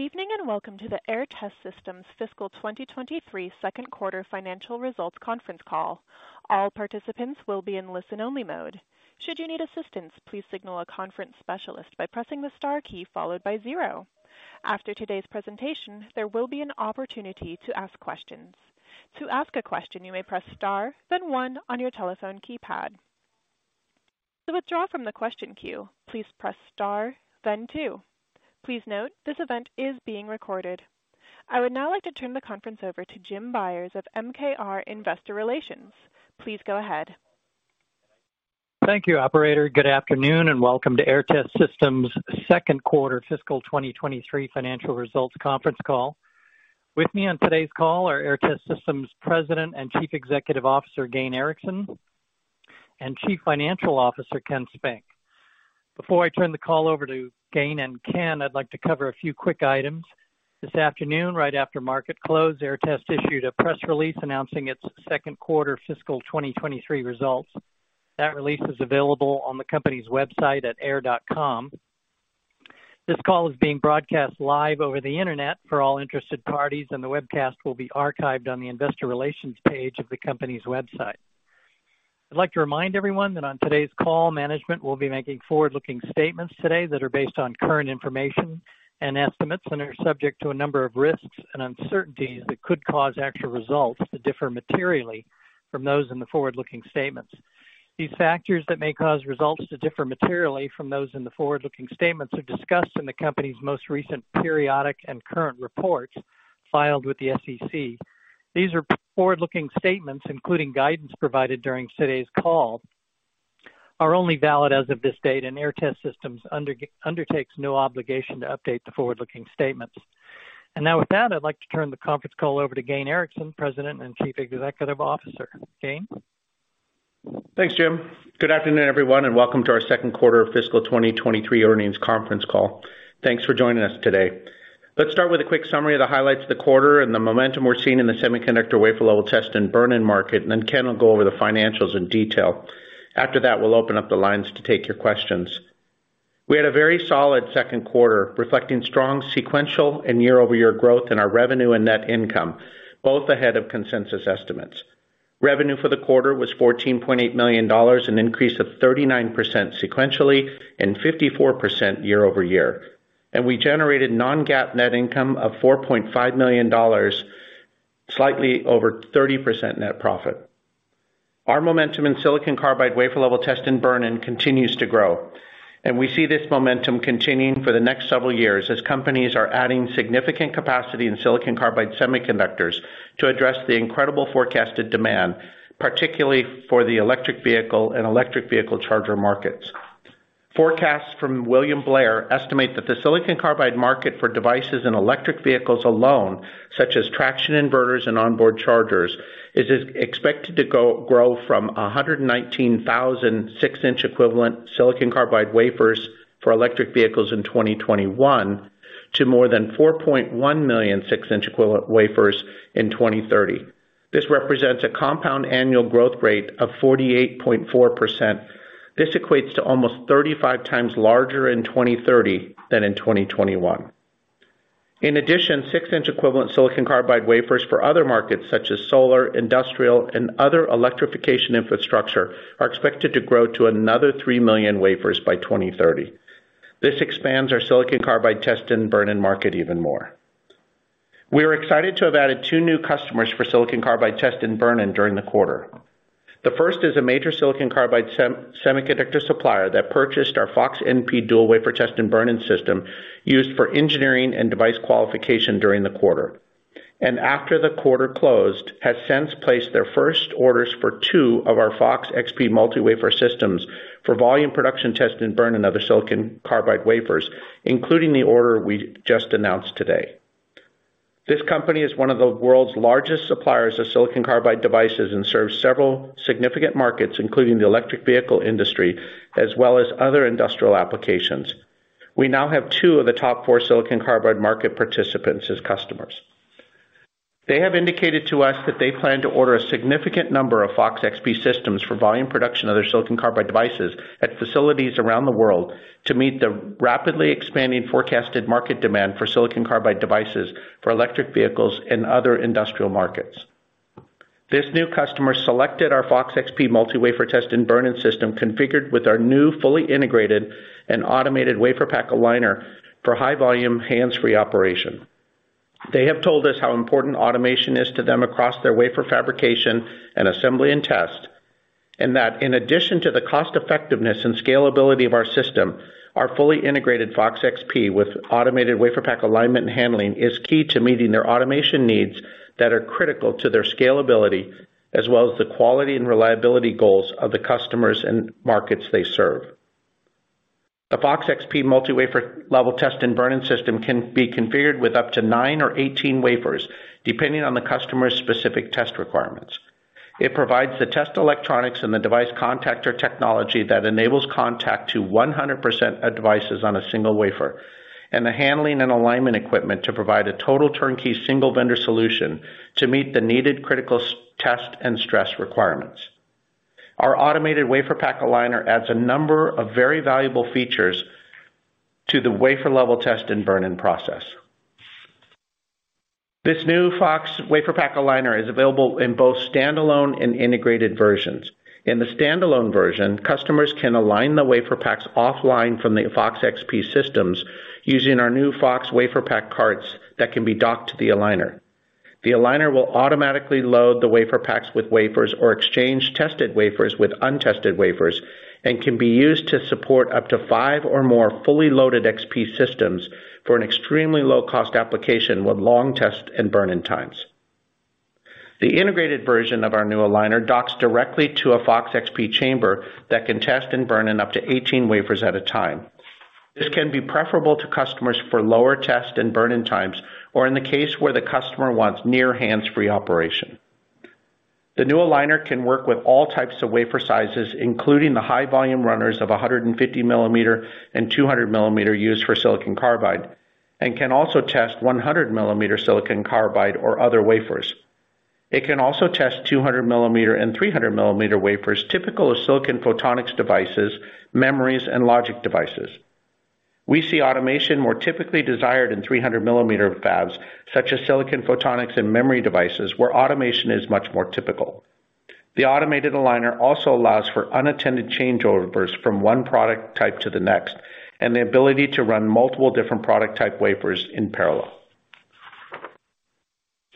Good evening, and welcome to the Aehr Test Systems Fiscal 2023 Second Quarter Financial Results Conference Call. All participants will be in listen-only mode. Should you need assistance, please signal a conference specialist by pressing the star key followed by zero. After today's presentation, there will be an opportunity to ask questions. To ask a question, you may press star, then one on your telephone keypad. To withdraw from the question queue, please press star then two. Please note, this event is being recorded. I would now like to turn the conference over to Jim Byers of MKR Investor Relations. Please go ahead. Thank you, Operator. Good afternoon, and welcome to Aehr Test Systems Second Quarter Fiscal 2023 Financial Results Conference Call. With me on today's call are Aehr Test Systems President and Chief Executive Officer, Gayn Erickson, and Chief Financial Officer, Ken Spink. Before I turn the call over to Gayn and Ken, I'd like to cover a few quick items. This afternoon, right after market close, Aehr Test issued a press release announcing its second quarter fiscal 2023 results. That release is available on the company's website at aehr.com. This call is being broadcast live over the Internet for all interested parties, and the webcast will be archived on the Investor Relations page of the company's website. I'd like to remind everyone that on today's call, management will be making forward-looking statements today that are based on current information and estimates, and are subject to a number of risks and uncertainties that could cause actual results to differ materially from those in the forward-looking statements. These factors that may cause results to differ materially from those in the forward-looking statements are discussed in the company's most recent periodic and current reports filed with the SEC. These forward-looking statements, including guidance provided during today's call, are only valid as of this date. Aehr Test Systems undertakes no obligation to update the forward-looking statements. Now with that, I'd like to turn the conference call over to Gayn Erickson, President and Chief Executive Officer. Gayn. Thanks, Jim. Good afternoon, everyone, welcome to our second quarter fiscal 2023 earnings conference call. Thanks for joining us today. Let's start with a quick summary of the highlights of the quarter and the momentum we're seeing in the semiconductor wafer-level test and burn-in market, Ken will go over the financials in detail. After that, we'll open up the lines to take your questions. We had a very solid second quarter, reflecting strong sequential and year-over-year growth in our revenue and net income, both ahead of consensus estimates. Revenue for the quarter was $14.8 million, an increase of 39% sequentially and 54% year-over-year. We generated non-GAAP net income of $4.5 million, slightly over 30% net profit. Our momentum in silicon carbide wafer-level test and burn-in continues to grow, and we see this momentum continuing for the next several years as companies are adding significant capacity in silicon carbide semiconductors to address the incredible forecasted demand, particularly for the electric vehicle and electric vehicle charger markets. Forecasts from William Blair estimate that the silicon carbide market for devices and electric vehicles alone, such as traction inverters and onboard chargers, is expected to grow from 119,000, 6-inch equivalent silicon carbide wafers for electric vehicles in 2021 to more than 4.1 million, 6-inch equivalent wafers in 2030. This represents a compound annual growth rate of 48.4%. This equates to almost 35x larger in 2030 than in 2021. In addition, 6-inch equivalent silicon carbide wafers for other markets such as solar, industrial, and other electrification infrastructure are expected to grow to another 3 million wafers by 2030. This expands our silicon carbide semiconductor test and burn-in market even more. We are excited to have added two new customers for silicon carbide test and burn-in during the quarter. The first is a major silicon carbide semiconductor supplier that purchased our FOX-NP dual wafer test and burn-in system used for engineering and device qualification during the quarter. After the quarter closed, has since placed their first orders for two of our FOX-XP multi-wafer systems for volume production test and burn-in of the silicon carbide wafers, including the order we just announced today. This company is one of the world's largest suppliers of silicon carbide devices and serves several significant markets, including the electric vehicle industry as well as other industrial applications. We now have two of the top four silicon carbide market participants as customers. They have indicated to us that they plan to order a significant number of FOX-XP systems for volume production of their silicon carbide devices at facilities around the world to meet the rapidly expanding forecasted market demand for silicon carbide devices for electric vehicles and other industrial markets. This new customer selected our FOX-XP multi-wafer test and burn-in system configured with our new, fully integrated and automated WaferPak Aligner for high-volume hands-free operation. They have told us how important automation is to them across their wafer fabrication and assembly and test. That in addition to the cost-effectiveness and scalability of our system, our fully integrated FOX-XP with automated WaferPak alignment and handling is key to meeting their automation needs that are critical to their scalability, as well as the quality and reliability goals of the customers and markets they serve. The FOX-XP multi-wafer level test and burn-in system can be configured with up to nine or 18 wafers, depending on the customer's specific test requirements. It provides the test electronics and the device contactor technology that enables contact to 100% of devices on a single wafer, and the handling and alignment equipment to provide a total turnkey single vendor solution to meet the needed critical test and stress requirements. Our automated WaferPak Aligner adds a number of very valuable features to the wafer level test and burn-in process. This new FOX WaferPak Aligner is available in both standalone and integrated versions. In the standalone version, customers can align the WaferPaks offline from the FOX-XP systems using our new WaferPak Carts that can be docked to the aligner. The aligner will automatically load the WaferPaks with wafers or exchange tested wafers with untested wafers, and can be used to support up to five or more fully loaded XP systems for an extremely low cost application with long test and burn-in times. The integrated version of our new aligner docks directly to a FOX-XP chamber that can test and burn in up to 18 wafers at a time. This can be preferable to customers for lower test and burn-in times, or in the case where the customer wants near hands-free operation. The new aligner can work with all types of wafer sizes, including the high volume runners of 150 mm and 200 mm used for silicon carbide, and can also test 100 mm silicon carbide or other wafers. It can also test 200 mm and 300 mm wafers, typical of silicon photonics devices, memories, and logic devices. We see automation more typically desired in 300 mm fabs, such as silicon photonics and memory devices, where automation is much more typical. The automated aligner also allows for unattended changeovers from one product type to the next, and the ability to run multiple different product type wafers in parallel.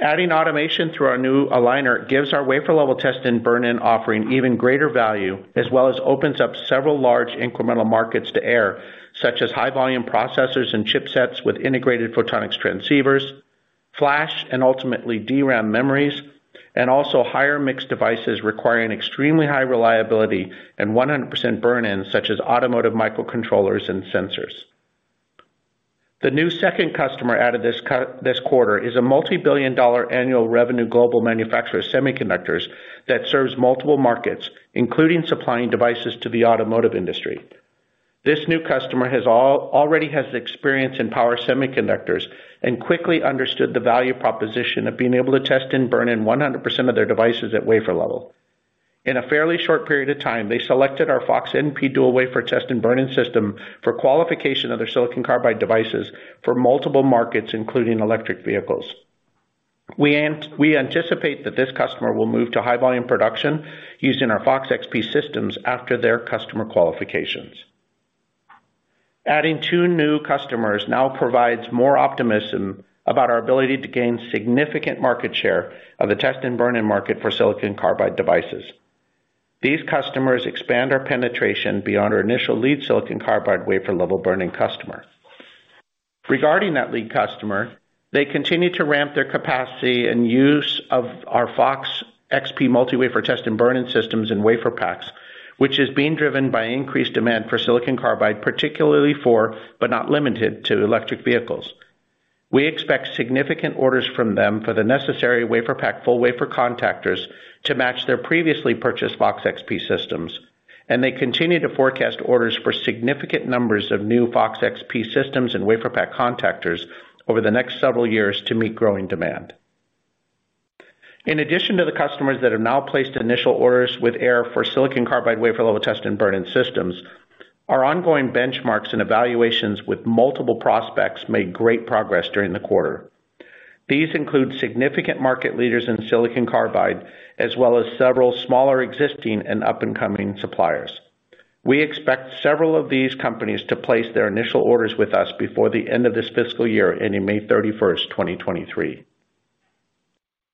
Adding automation through our new aligner gives our wafer level test and burn-in offering even greater value, as well as opens up several large incremental markets to Aehr, such as high volume processors and chipsets with integrated photonics transceivers, flash and ultimately DRAM memories. Also higher mixed devices requiring extremely high reliability and 100% burn-in, such as automotive microcontrollers and sensors. The new second customer added this quarter is a multi-billion dollar annual revenue global manufacturer of semiconductors that serves multiple markets, including supplying devices to the automotive industry. This new customer already has experience in power semiconductors and quickly understood the value proposition of being able to test and burn in 100% of their devices at wafer level. In a fairly short period of time, they selected our FOX-NP dual wafer test and burn-in system for qualification of their silicon carbide devices for multiple markets, including electric vehicles. We anticipate that this customer will move to high volume production using our FOX-XP systems after their customer qualifications. Adding two new customers now provides more optimism about our ability to gain significant market share of the test and burn-in market for silicon carbide devices. These customers expand our penetration beyond our initial lead silicon carbide wafer-level burn-in customer. Regarding that lead customer, they continue to ramp their capacity and use of our FOX-XP multi-wafer test and burn-in systems in WaferPaks, which is being driven by increased demand for silicon carbide, particularly for, but not limited to, electric vehicles. We expect significant orders from them for the necessary WaferPak full wafer contactors to match their previously purchased FOX-XP systems, and they continue to forecast orders for significant numbers of new FOX-XP systems and WaferPak contactors over the next several years to meet growing demand. In addition to the customers that have now placed initial orders with Aehr for silicon carbide wafer-level test and burn-in systems, our ongoing benchmarks and evaluations with multiple prospects made great progress during the quarter. These include significant market leaders in silicon carbide, as well as several smaller existing and up-and-coming suppliers. We expect several of these companies to place their initial orders with us before the end of this fiscal year, ending May 31st, 2023.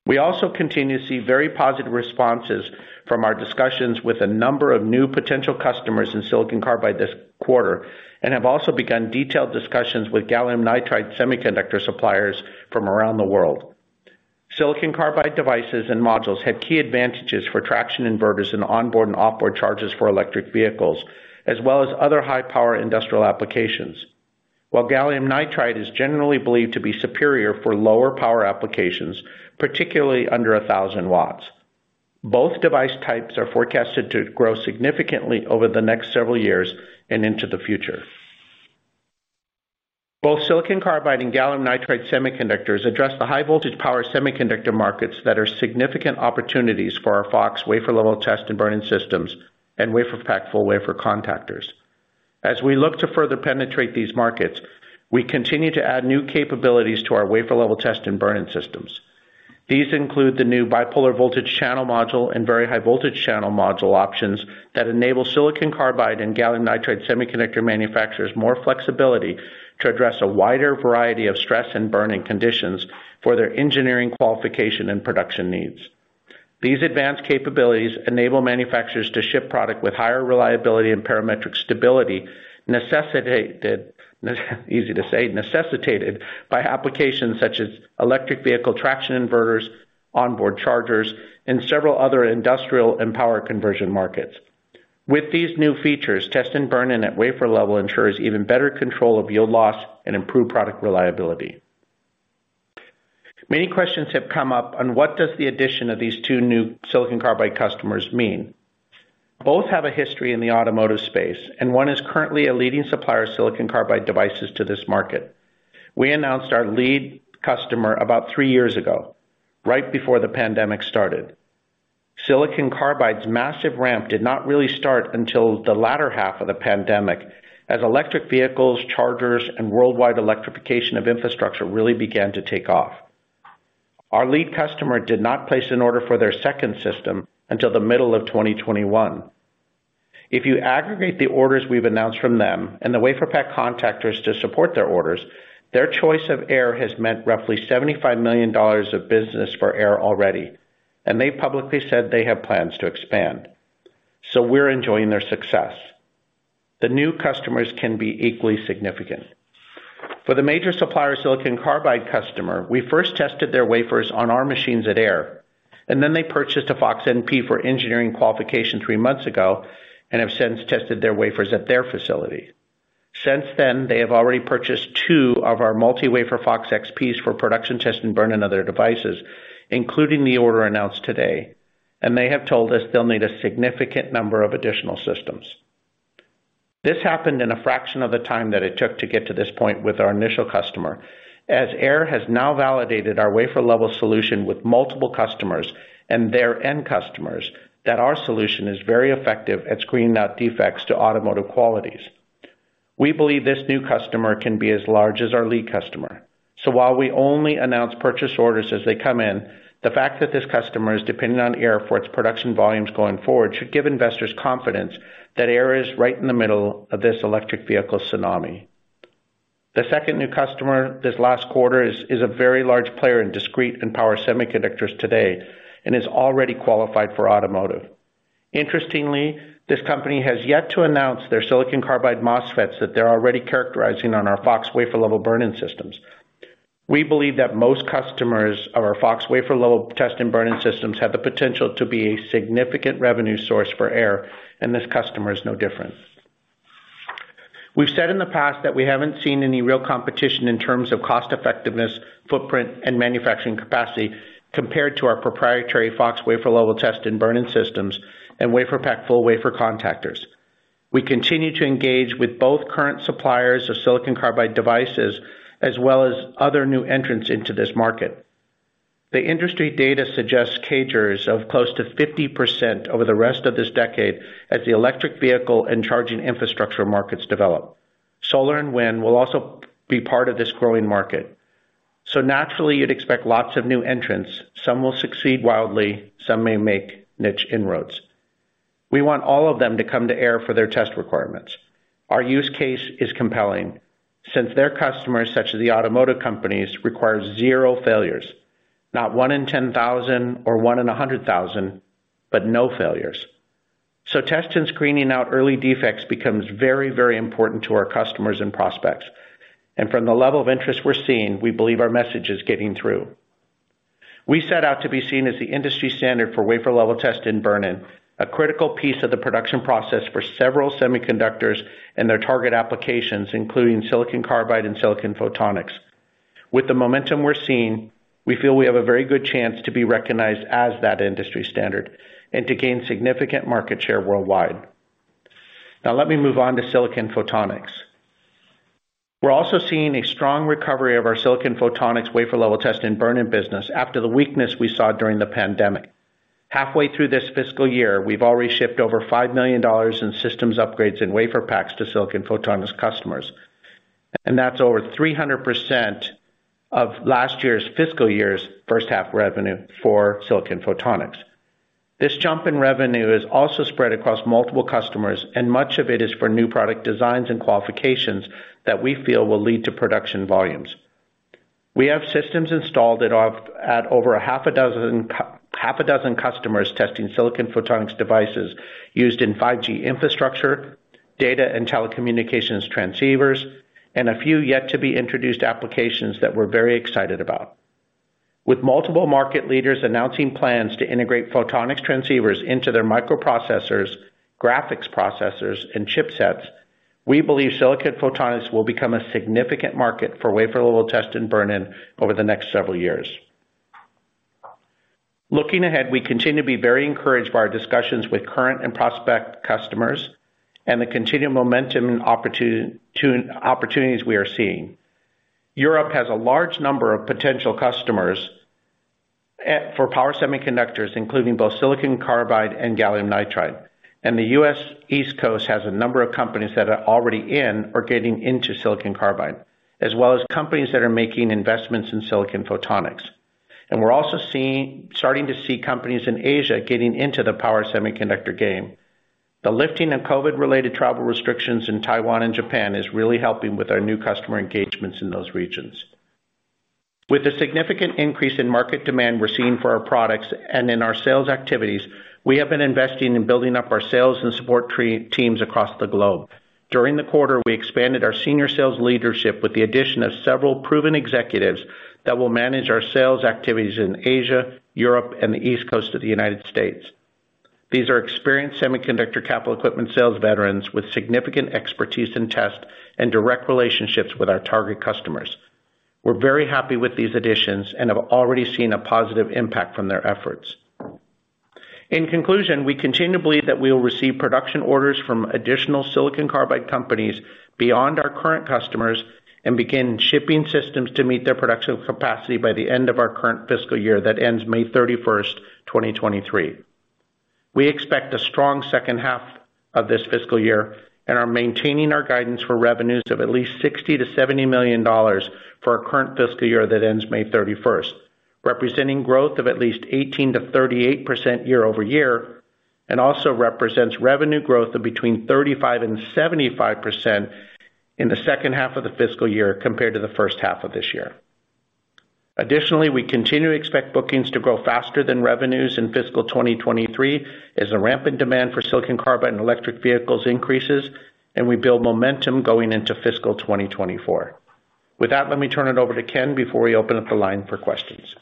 We also continue to see very positive responses from our discussions with a number of new potential customers in silicon carbide this quarter, have also begun detailed discussions with gallium nitride semiconductor suppliers from around the world. Silicon carbide devices and modules have key advantages for traction inverters and onboard and off-board chargers for electric vehicles, as well as other high power industrial applications. While gallium nitride is generally believed to be superior for lower power applications, particularly under 1,000 W. Both device types are forecasted to grow significantly over the next several years and into the future. Both silicon carbide and gallium nitride semiconductors address the high voltage power semiconductor markets that are significant opportunities for our FOX wafer-level test and burn-in systems and WaferPak full wafer contactors. As we look to further penetrate these markets, we continue to add new capabilities to our wafer-level test and burn-in systems. These include the new Bipolar Voltage Channel Module and Very High Voltage Channel Module options that enable silicon carbide and gallium nitride semiconductor manufacturers more flexibility to address a wider variety of stress and burn-in conditions for their engineering qualification and production needs. These advanced capabilities enable manufacturers to ship product with higher reliability and parametric stability, necessitated by applications such as electric vehicle traction inverters, onboard chargers, and several other industrial and power conversion markets. With these new features, test and burn-in at wafer level ensures even better control of yield loss and improved product reliability. Many questions have come up on what does the addition of these two new silicon carbide customers mean. Both have a history in the automotive space, and one is currently a leading supplier of silicon carbide devices to this market. We announced our lead customer about three years ago, right before the pandemic started. silicon carbide's massive ramp did not really start until the latter half of the pandemic, as electric vehicles, chargers, and worldwide electrification of infrastructure really began to take off. Our lead customer did not place an order for their second system until the middle of 2021. If you aggregate the orders we've announced from them and the WaferPak contactors to support their orders, their choice of Aehr has meant roughly $75 million of business for Aehr already, and they publicly said they have plans to expand. We're enjoying their success. The new customers can be equally significant. For the major supplier silicon carbide customer, we first tested their wafers on our machines at Aehr, and then they purchased a FOX-NP for engineering qualification three months ago, and have since tested their wafers at their facility. Since then, they have already purchased two of our multi-wafer FOX-XPs for production test and burn-in other devices, including the order announced today, and they have told us they'll need a significant number of additional systems. This happened in a fraction of the time that it took to get to this point with our initial customer, as Aehr has now validated our wafer-level solution with multiple customers, and their end customers, that our solution is very effective at screening out defects to automotive qualities. We believe this new customer can be as large as our lead customer. While we only announce purchase orders as they come in, the fact that this customer is dependent on Aehr for its production volumes going forward should give investors confidence that Aehr is right in the middle of this electric vehicle tsunami. The second new customer this last quarter is a very large player in discrete and power semiconductors today, and is already qualified for automotive. Interestingly, this company has yet to announce their silicon carbide MOSFETs that they're already characterizing on our FOX wafer-level burn-in systems. We believe that most customers of our FOX wafer-level test and burn-in systems have the potential to be a significant revenue source for Aehr. This customer is no different. We've said in the past that we haven't seen any real competition in terms of cost-effectiveness, footprint, and manufacturing capacity compared to our proprietary FOX wafer-level test and burn-in systems, and WaferPak full wafer contactors. We continue to engage with both current suppliers of silicon carbide devices, as well as other new entrants into this market. The industry data suggests CAGRs of close to 50% over the rest of this decade as the electric vehicle and charging infrastructure markets develop. Solar and wind will also be part of this growing market. Naturally, you'd expect lots of new entrants. Some will succeed wildly, some may make niche inroads. We want all of them to come to Aehr for their test requirements. Our use case is compelling, since their customers, such as the automotive companies, require zero failures. Not one in 10,000 or one in 100,000, but no failures. Test and screening out early defects becomes very, very important to our customers and prospects. From the level of interest we're seeing, we believe our message is getting through. We set out to be seen as the industry standard for wafer-level test and burn-in, a critical piece of the production process for several semiconductors and their target applications, including silicon carbide and silicon photonics. With the momentum we're seeing, we feel we have a very good chance to be recognized as that industry standard, and to gain significant market share worldwide. Now let me move on to silicon photonics. We're also seeing a strong recovery of our silicon photonics wafer-level test and burn-in business after the weakness we saw during the pandemic. Halfway through this fiscal year, we've already shipped over $5 million in systems upgrades and WaferPaks to silicon photonics customers. That's over 300% of last year's fiscal year's first half revenue for silicon photonics. This jump in revenue is also spread across multiple customers, and much of it is for new product designs and qualifications that we feel will lead to production volumes. We have systems installed at over a half a dozen customers testing silicon photonics devices used in 5G infrastructure, data and telecommunications transceivers, and a few yet to be introduced applications that we're very excited about. With multiple market leaders announcing plans to integrate photonics transceivers into their microprocessors, graphics processors, and chipsets, we believe silicon photonics will become a significant market for wafer level test and burn-in over the next several years. Looking ahead, we continue to be very encouraged by our discussions with current and prospect customers, and the continued momentum and opportunities we are seeing. Europe has a large number of potential customers for power semiconductors, including both silicon carbide and gallium nitride. The U.S. East Coast has a number of companies that are already in or getting into silicon carbide, as well as companies that are making investments in silicon photonics. We're also starting to see companies in Asia getting into the power semiconductor game. The lifting of COVID-related travel restrictions in Taiwan and Japan is really helping with our new customer engagements in those regions. With the significant increase in market demand we're seeing for our products, and in our sales activities, we have been investing in building up our sales and support teams across the globe. During the quarter, we expanded our senior sales leadership with the addition of several proven executives that will manage our sales activities in Asia, Europe, and the East Coast of the U.S. These are experienced semiconductor capital equipment sales veterans with significant expertise in test, and direct relationships with our target customers. We're very happy with these additions, and have already seen a positive impact from their efforts. In conclusion, we continue to believe that we will receive production orders from additional silicon carbide companies beyond our current customers and begin shipping systems to meet their production capacity by the end of our current fiscal year that ends May 31st, 2023. We expect a strong second half of this fiscal year and are maintaining our guidance for revenues of at least $60 million-$70 million for our current fiscal year that ends May 31st, representing growth of at least 18%-38% year-over-year, and also represents revenue growth of between 35% and 75% in the second half of the fiscal year compared to the first half of this year. Additionally, we continue to expect bookings to grow faster than revenues in fiscal 2023 as the rampant demand for silicon carbide and electric vehicles increases and we build momentum going into fiscal 2024. With that, let me turn it over to Ken before we open up the line for questions.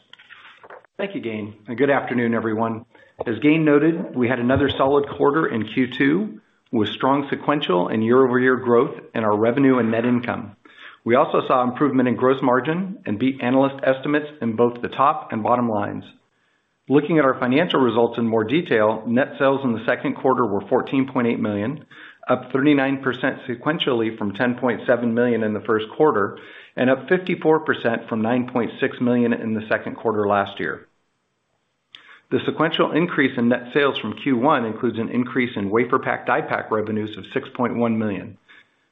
Thank you, Gayn. Good afternoon, everyone. As Gayn noted, we had another solid quarter in Q2, with strong sequential and year-over-year growth in our revenue and net income. We also saw improvement in gross margin and beat analyst estimates in both the top and bottom lines. Looking at our financial results in more detail, net sales in the second quarter were $14.8 million, up 39% sequentially from $10.7 million in the first quarter, and up 54% from $9.6 million in the second quarter last year. The sequential increase in net sales from Q1 includes an increase in WaferPak/DiePak revenues of $6.1 million.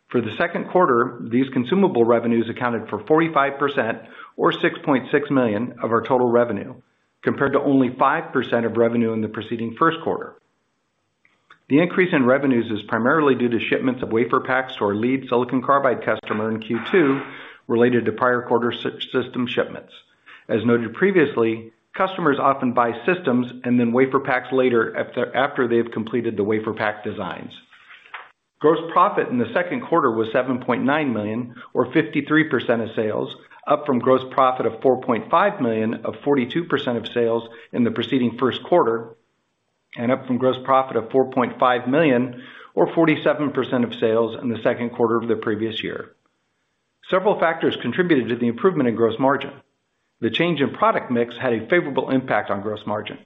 For the second quarter, these consumable revenues accounted for 45% or $6.6 million of our total revenue, compared to only 5% of revenue in the preceding first quarter. The increase in revenues is primarily due to shipments of WaferPaks to our lead silicon carbide customer in Q2 related to prior quarter system shipments. As noted previously, customers often buy systems and then WaferPaks later after they've completed the WaferPak designs. Gross profit in the second quarter was $7.9 million or 53% of sales, up from gross profit of $4.5 million of 42% of sales in the preceding first quarter, and up from gross profit of $4.5 million or 47% of sales in the second quarter of the previous year. Several factors contributed to the improvement in gross margin. The change in product mix had a favorable impact on gross margin.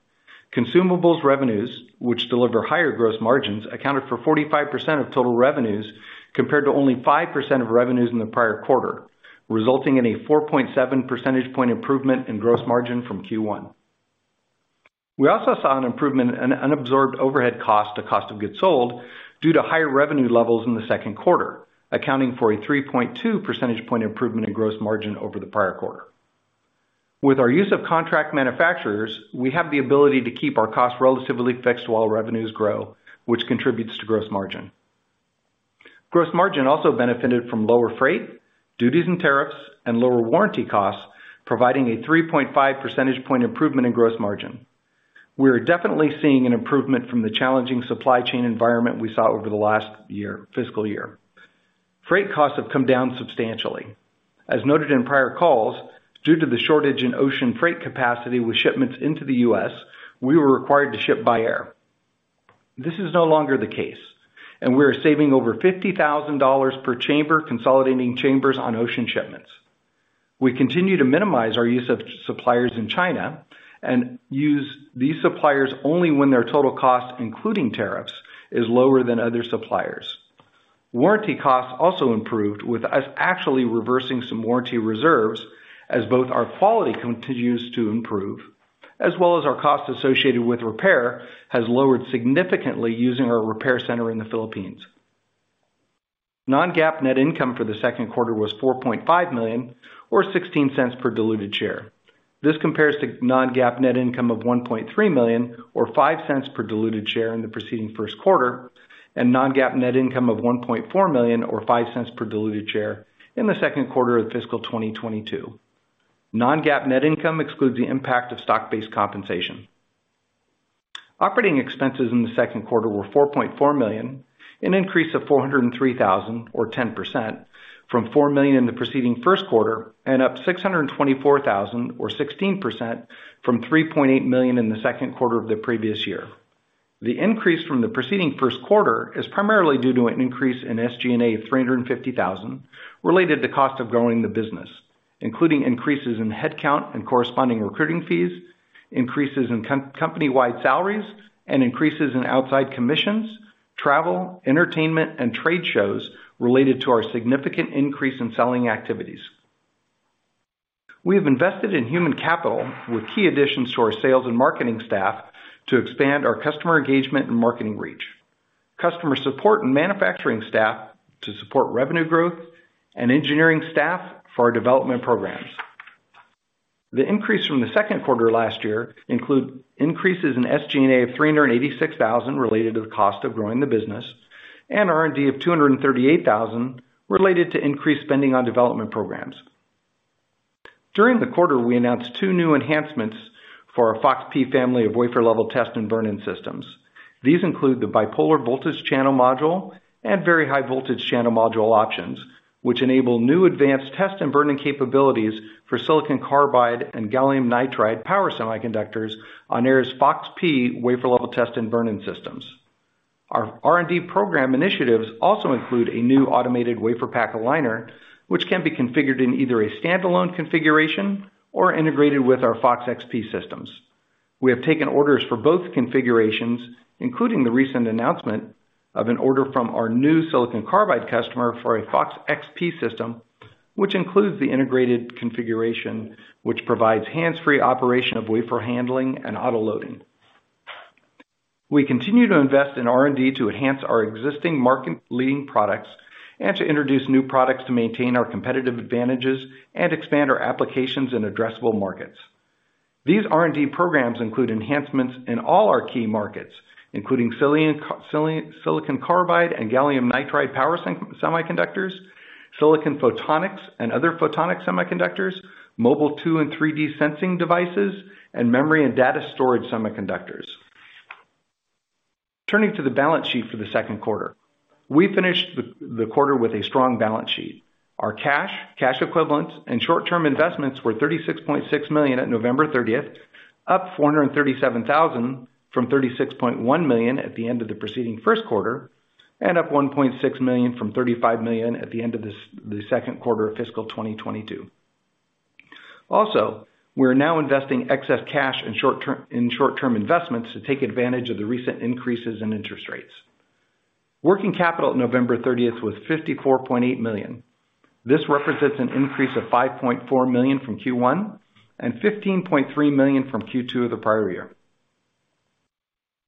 Consumables revenues, which deliver higher gross margins, accounted for 45% of total revenues, compared to only 5% of revenues in the prior quarter, resulting in a 4.7 percentage point improvement in gross margin from Q1. We also saw an improvement in unabsorbed overhead cost to cost of goods sold due to higher revenue levels in the second quarter, accounting for a 3.2 percentage point improvement in gross margin over the prior quarter. With our use of contract manufacturers, we have the ability to keep our costs relatively fixed while revenues grow, which contributes to gross margin. Gross margin also benefited from lower freight, duties and tariffs, and lower warranty costs, providing a 3.5 percentage point improvement in gross margin. We are definitely seeing an improvement from the challenging supply chain environment we saw over the last year, fiscal year. Freight costs have come down substantially. As noted in prior calls, due to the shortage in ocean freight capacity with shipments into the U.S., we were required to ship by air. This is no longer the case, and we are saving over $50,000 per chamber, consolidating chambers on ocean shipments. We continue to minimize our use of suppliers in China and use these suppliers only when their total cost, including tariffs, is lower than other suppliers. Warranty costs also improved with us actually reversing some warranty reserves as both our quality continues to improve, as well as our cost associated with repair has lowered significantly using our repair center in the Philippines. Non-GAAP net income for the second quarter was $4.5 million or $0.16 per diluted share. This compares to non-GAAP net income of $1.3 million or $0.05 per diluted share in the preceding first quarter, and non-GAAP net income of $1.4 million or $0.05 per diluted share in the second quarter of fiscal 2022. Non-GAAP net income excludes the impact of stock-based compensation. Operating expenses in the second quarter were $4.4 million, an increase of $403,000 or 10% from $4 million in the preceding first quarter, and up $624,000 or 16% from $3.8 million in the second quarter of the previous year. The increase from the preceding first quarter is primarily due to an increase in SG&A of $350,000 related to cost of growing the business, including increases in headcount and corresponding recruiting fees, increases in company-wide salaries, and increases in outside commissions, travel, entertainment, and trade shows related to our significant increase in selling activities. We have invested in human capital with key additions to our sales and marketing staff to expand our customer engagement and marketing reach, customer support and manufacturing staff to support revenue growth, and engineering staff for our development programs. The increase from the second quarter last year include increases in SG&A of $386,000 related to the cost of growing the business, and R&D of $238,000 related to increased spending on development programs. During the quarter, we announced two new enhancements for our FOX-P family of wafer-level test and burn-in systems. These include the Bipolar Voltage Channel Module and Very High Voltage Channel Module options, which enable new advanced test and burn-in capabilities for silicon carbide and gallium nitride power semiconductors on Aehr's FOX-P wafer-level test and burn-in systems. Our R&D program initiatives also include a new automated WaferPak Aligner, which can be configured in either a standalone configuration or integrated with our FOX-XP systems. We have taken orders for both configurations, including the recent announcement of an order from our new silicon carbide customer for a FOX-XP system, which includes the integrated configuration, which provides hands-free operation of wafer handling and autoloading. We continue to invest in R&D to enhance our existing market leading products and to introduce new products to maintain our competitive advantages and expand our applications in addressable markets. These R&D programs include enhancements in all our key markets, including silicon carbide and gallium nitride power semiconductors, silicon photonics and other photonic semiconductors, mobile 2D and 3D sensing devices, and memory and data storage semiconductors. Turning to the balance sheet for the second quarter. We finished the quarter with a strong balance sheet. Our cash equivalents, and short-term investments were $36.6 million at November 30th, up $437,000 from $36.1 million at the end of the preceding first quarter, and up $1.6 million from $35 million at the end of the second quarter of fiscal 2022. Also, we're now investing excess cash in short-term investments to take advantage of the recent increases in interest rates. Working capital at November 30th was $54.8 million. This represents an increase of $5.4 million from Q1 and $15.3 million from Q2 of the prior year.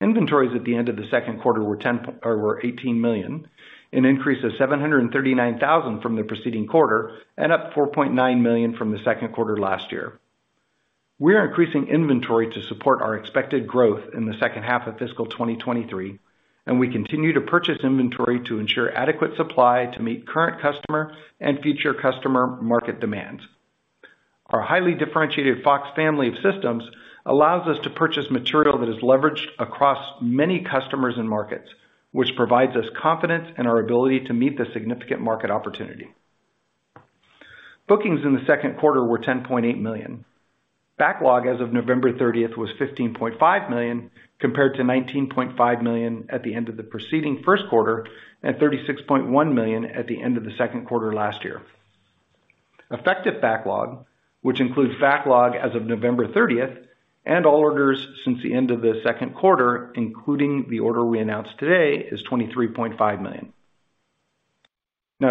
Inventories at the end of the second quarter were $18 million, an increase of $739,000 from the preceding quarter, and up $4.9 million from the second quarter last year. We are increasing inventory to support our expected growth in the second half of fiscal 2023. We continue to purchase inventory to ensure adequate supply to meet current customer and future customer market demands. Our highly differentiated FOX family of systems allows us to purchase material that is leveraged across many customers and markets, which provides us confidence in our ability to meet the significant market opportunity. Bookings in the second quarter were $10.8 million. Backlog as of November 30th was $15.5 million, compared to $19.5 million at the end of the preceding first quarter, and $36.1 million at the end of the second quarter last year. Effective backlog, which includes backlog as of November 30th and all orders since the end of the second quarter, including the order we announced today, is $23.5 million.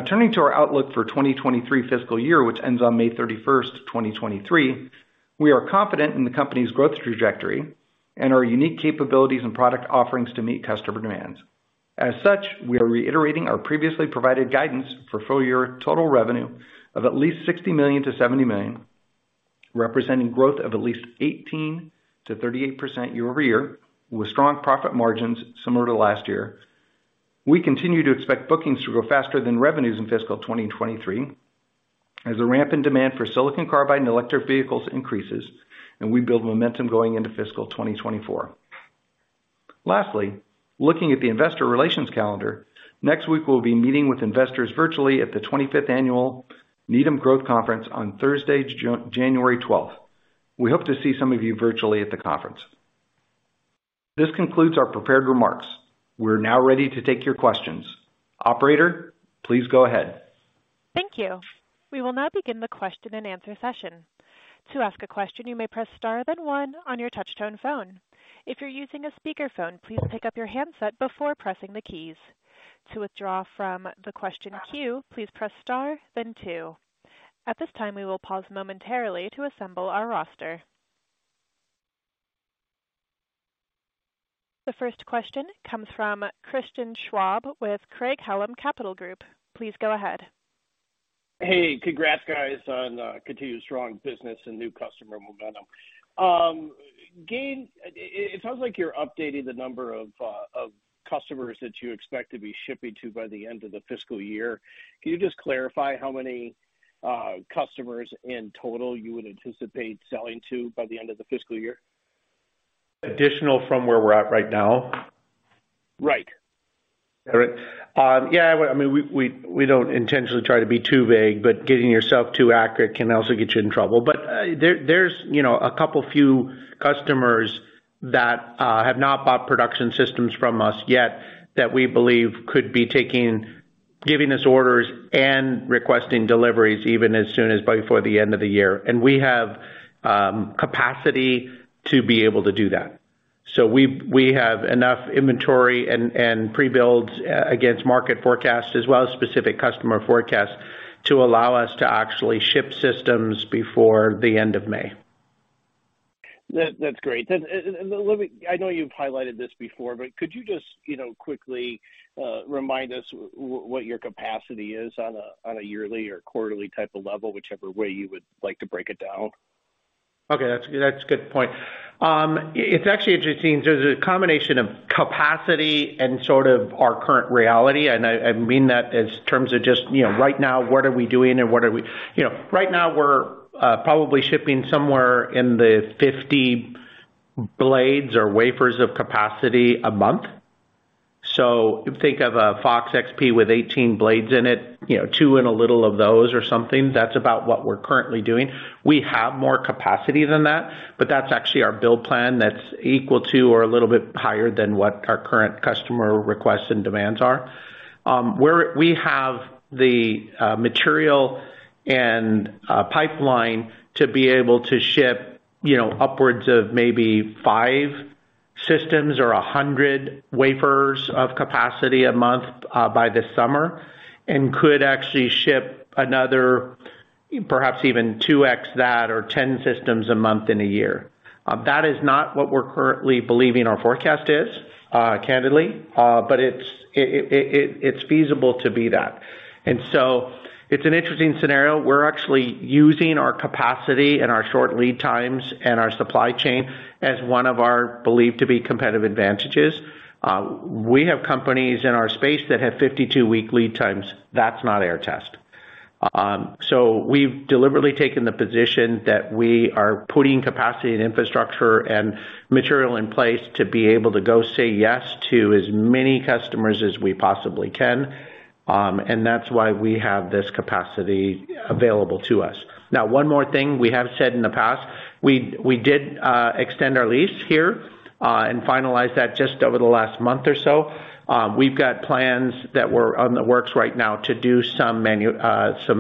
Turning to our outlook for 2023 fiscal year, which ends on May 31st, 2023. We are confident in the company's growth trajectory and our unique capabilities and product offerings to meet customer demands. As such, we are reiterating our previously provided guidance for full year total revenue of at least $60 million-$70 million, representing growth of at least 18%-38% year-over-year, with strong profit margins similar to last year. We continue to expect bookings to grow faster than revenues in fiscal 2023 as the ramp in demand for silicon carbide and electric vehicles increases and we build momentum going into fiscal 2024. Lastly, looking at the Investor Relations calendar, next week we'll be meeting with investors virtually at the 25th annual Needham Growth Conference on Thursday, January 12th. We hope to see some of you virtually at the conference. This concludes our prepared remarks. We're now ready to take your questions. Operator, please go ahead. Thank you. We will now begin the question-and-answer session. To ask a question, you may press star, then one on your touchtone phone. If you're using a speakerphone, please pick up your handset before pressing the keys. To withdraw from the question queue, please press star then two. At this time, we will pause momentarily to assemble our roster. The first question comes from Christian Schwab with Craig-Hallum Capital Group. Please go ahead. Hey, congrats guys on continued strong business and new customer momentum. Gayn, it sounds like you're updating the number of customers that you expect to be shipping to by the end of the fiscal year. Can you just clarify how many customers in total you would anticipate selling to by the end of the fiscal year? Additional from where we're at right now? Right. Correct. Yeah, well, I mean, we don't intentionally try to be too vague, getting yourself too accurate can also get you in trouble. There's, you know, a couple few customers that have not bought production systems from us yet that we believe could be giving us orders and requesting deliveries even as soon as before the end of the year. We have capacity to be able to do that. We have enough inventory and prebuilds against market forecasts as well as specific customer forecasts to allow us to actually ship systems before the end of May. That's great. I know you've highlighted this before, but could you just, you know, quickly remind us what your capacity is on a yearly or quarterly type of level, whichever way you would like to break it down? Okay, that's a good point. It's actually interesting. There's a combination of capacity and sort of our current reality, and I mean that in terms of just, you know, right now, what are we doing and what are we. You know, right now we're probably shipping somewhere in the 50 blades or wafers of capacity a month. Think of a FOX-XP with 18 blades in it, you know, two and a little of those or something. That's about what we're currently doing. We have more capacity than that, but that's actually our build plan that's equal to or a little bit higher than what our current customer requests and demands are. We have the material and pipeline to be able to ship, you know, upwards of maybe five systems or 100 wafers of capacity a month by this summer, and could actually ship another perhaps even 2x that or 10 systems a month in a year. That is not what we're currently believing our forecast is, candidly, but it's feasible to be that. It's an interesting scenario. We're actually using our capacity and our short lead times and our supply chain as one of our believed to be competitive advantages. We have companies in our space that have 52-week lead times. That's not our test. We've deliberately taken the position that we are putting capacity and infrastructure and material in place to be able to go say yes to as many customers as we possibly can, and that's why we have this capacity available to us. One more thing we have said in the past. We did extend our lease here, and finalize that just over the last month or so. We've got plans that we're on the works right now to do some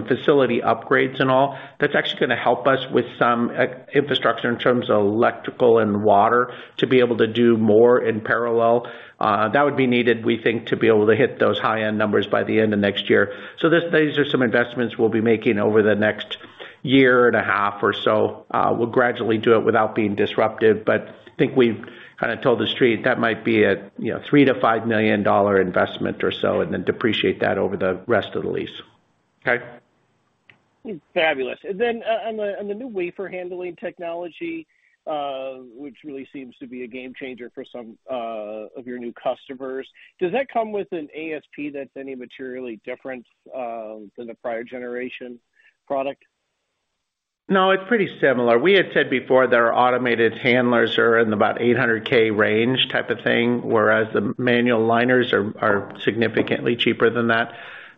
facility upgrades and all that's actually gonna help us with some infrastructure in terms of electrical and water, to be able to do more in parallel. That would be needed, we think, to be able to hit those high-end numbers by the end of next year. These are some investments we'll be making over the next year and a half or so. We'll gradually do it without being disruptive, but I think we've kind of told the Street that might be a, you know, $3 million-$5 million investment or so and then depreciate that over the rest of the lease. Okay. Fabulous. On the new wafer handling technology, which really seems to be a game changer for some of your new customers, does that come with an ASP that's any materially different than the prior generation product? No, it's pretty similar. We had said before that our automated handlers are in about $800,000 range type of thing, whereas the manual aligners are significantly cheaper than that.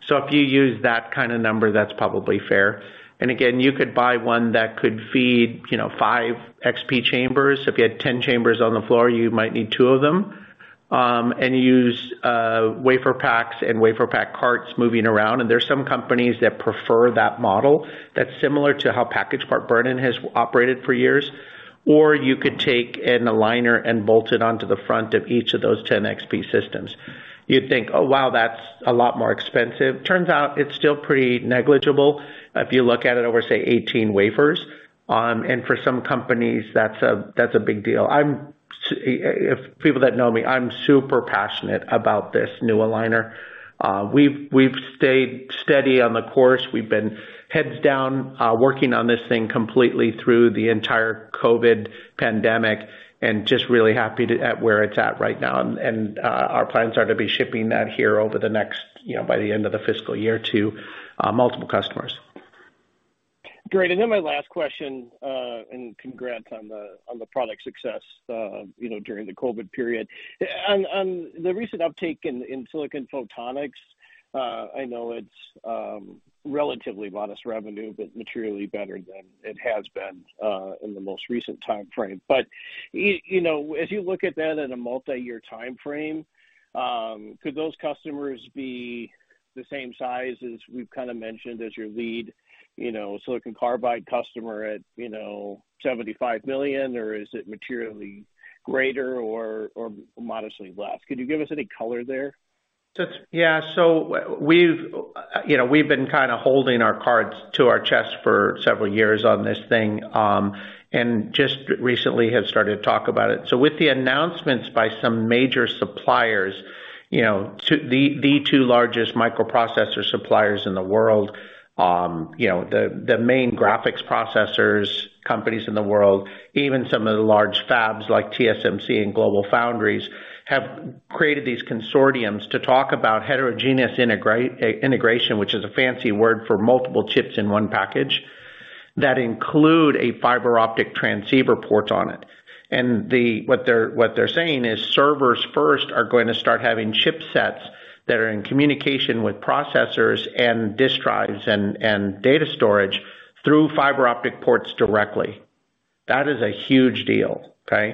If you use that kind of number, that's probably fair. Again, you could buy one that could feed, you know, 5 XP chambers. If you had 10 chambers on the floor, you might need two of them. Use WaferPaks and WaferPak Carts moving around. There's some companies that prefer that model that's similar to how package-level burn-in has operated for years. You could take an aligner and bolt it onto the front of each of those 10 XP systems. You'd think, "Oh, wow, that's a lot more expensive." Turns out it's still pretty negligible if you look at it over, say, 18 wafers. For some companies, that's a, that's a big deal. If people that know me, I'm super passionate about this new aligner. We've stayed steady on the course. We've been heads down, working on this thing completely through the entire COVID pandemic, and just really happy to at where it's at right now. Our plans are to be shipping that here over the next, you know, by the end of the fiscal year to, multiple customers. Great. My last question, and congrats on the product success, you know, during the COVID period. The recent uptake in silicon photonics, I know it's relatively modest revenue, but materially better than it has been in the most recent timeframe. You know, as you look at that in a multi-year timeframe, could those customers be the same size as we've kind of mentioned as your lead, you know, silicon carbide customer at, you know, $75 million? Is it materially greater or modestly less? Could you give us any color there? Yeah. We've, you know, we've been kind of holding our cards to our chest for several years on this thing, and just recently have started to talk about it. With the announcements by some major suppliers, you know, the two largest microprocessor suppliers in the world, you know, the main graphics processors companies in the world, even some of the large fabs like TSMC and GlobalFoundries, have created these consortiums to talk about heterogeneous integration, which is a fancy word for multiple chips in one package, that include a fiber optic transceiver port on it. What they're saying is servers first are going to start having chipsets that are in communication with processors and disk drives and data storage through fiber optic ports directly. That is a huge deal, okay?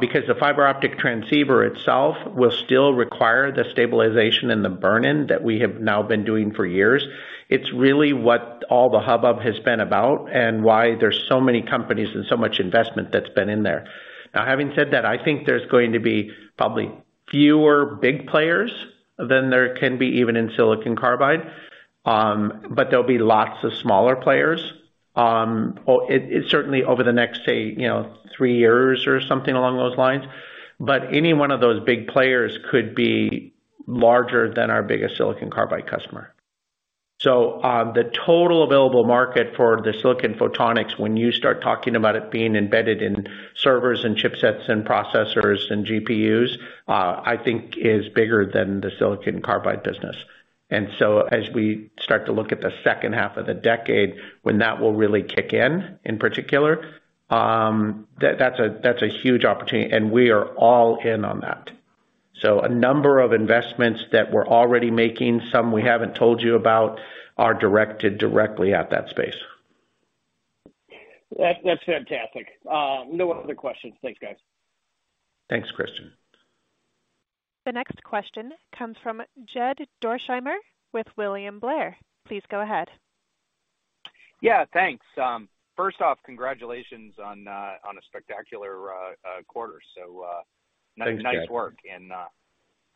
Because the fiber optic transceiver itself will still require the stabilization and the burn-in that we have now been doing for years. It's really what all the hubbub has been about and why there's so many companies and so much investment that's been in there. Now, having said that, I think there's going to be probably fewer big players than there can be even in silicon carbide. There'll be lots of smaller players, or it certainly over the next, say, you know, three years or something along those lines. Any one of those big players could be larger than our biggest silicon carbide customer. The total available market for the silicon photonics, when you start talking about it being embedded in servers and chipsets and processors and GPUs, I think is bigger than the silicon carbide business. As we start to look at the second half of the decade when that will really kick in particular, that's a, that's a huge opportunity, and we are all in on that. A number of investments that we're already making, some we haven't told you about, are directed directly at that space. That's fantastic. No other questions. Thanks, guys. Thanks, Christian. The next question comes from Jed Dorsheimer with William Blair. Please go ahead. Yeah, thanks. First off, congratulations on a spectacular quarter. Thanks, Jed. nice work.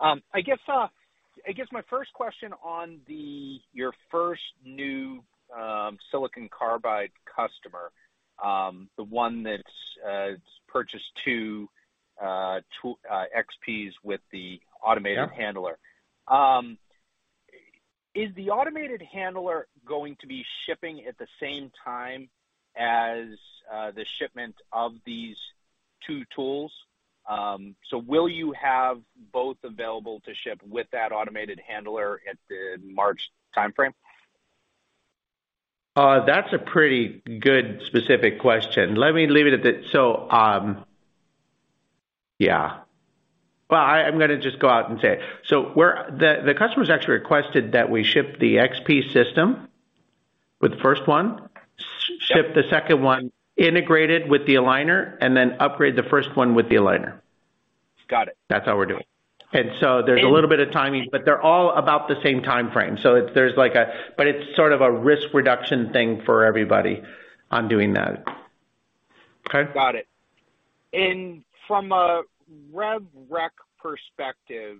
I guess my first question on your first new silicon carbide customer, the one that's purchased two XPs with the automated handler. Is the automated handler going to be shipping at the same time as the shipment of these two tools? Will you have both available to ship with that automated handler at the March timeframe? That's a pretty good specific question. Let me leave it at that. Yeah. Well, I'm gonna just go out and say it. The customers actually requested that we ship the XP system with the first one. Yep. Ship the second one integrated with the Aligner and then upgrade the first one with the Aligner. Got it. That's how we're doing. There's a little bit of timing, but they're all about the same timeframe. There's like a. It's sort of a risk reduction thing for everybody on doing that. Okay? Got it. From a rev rec perspective,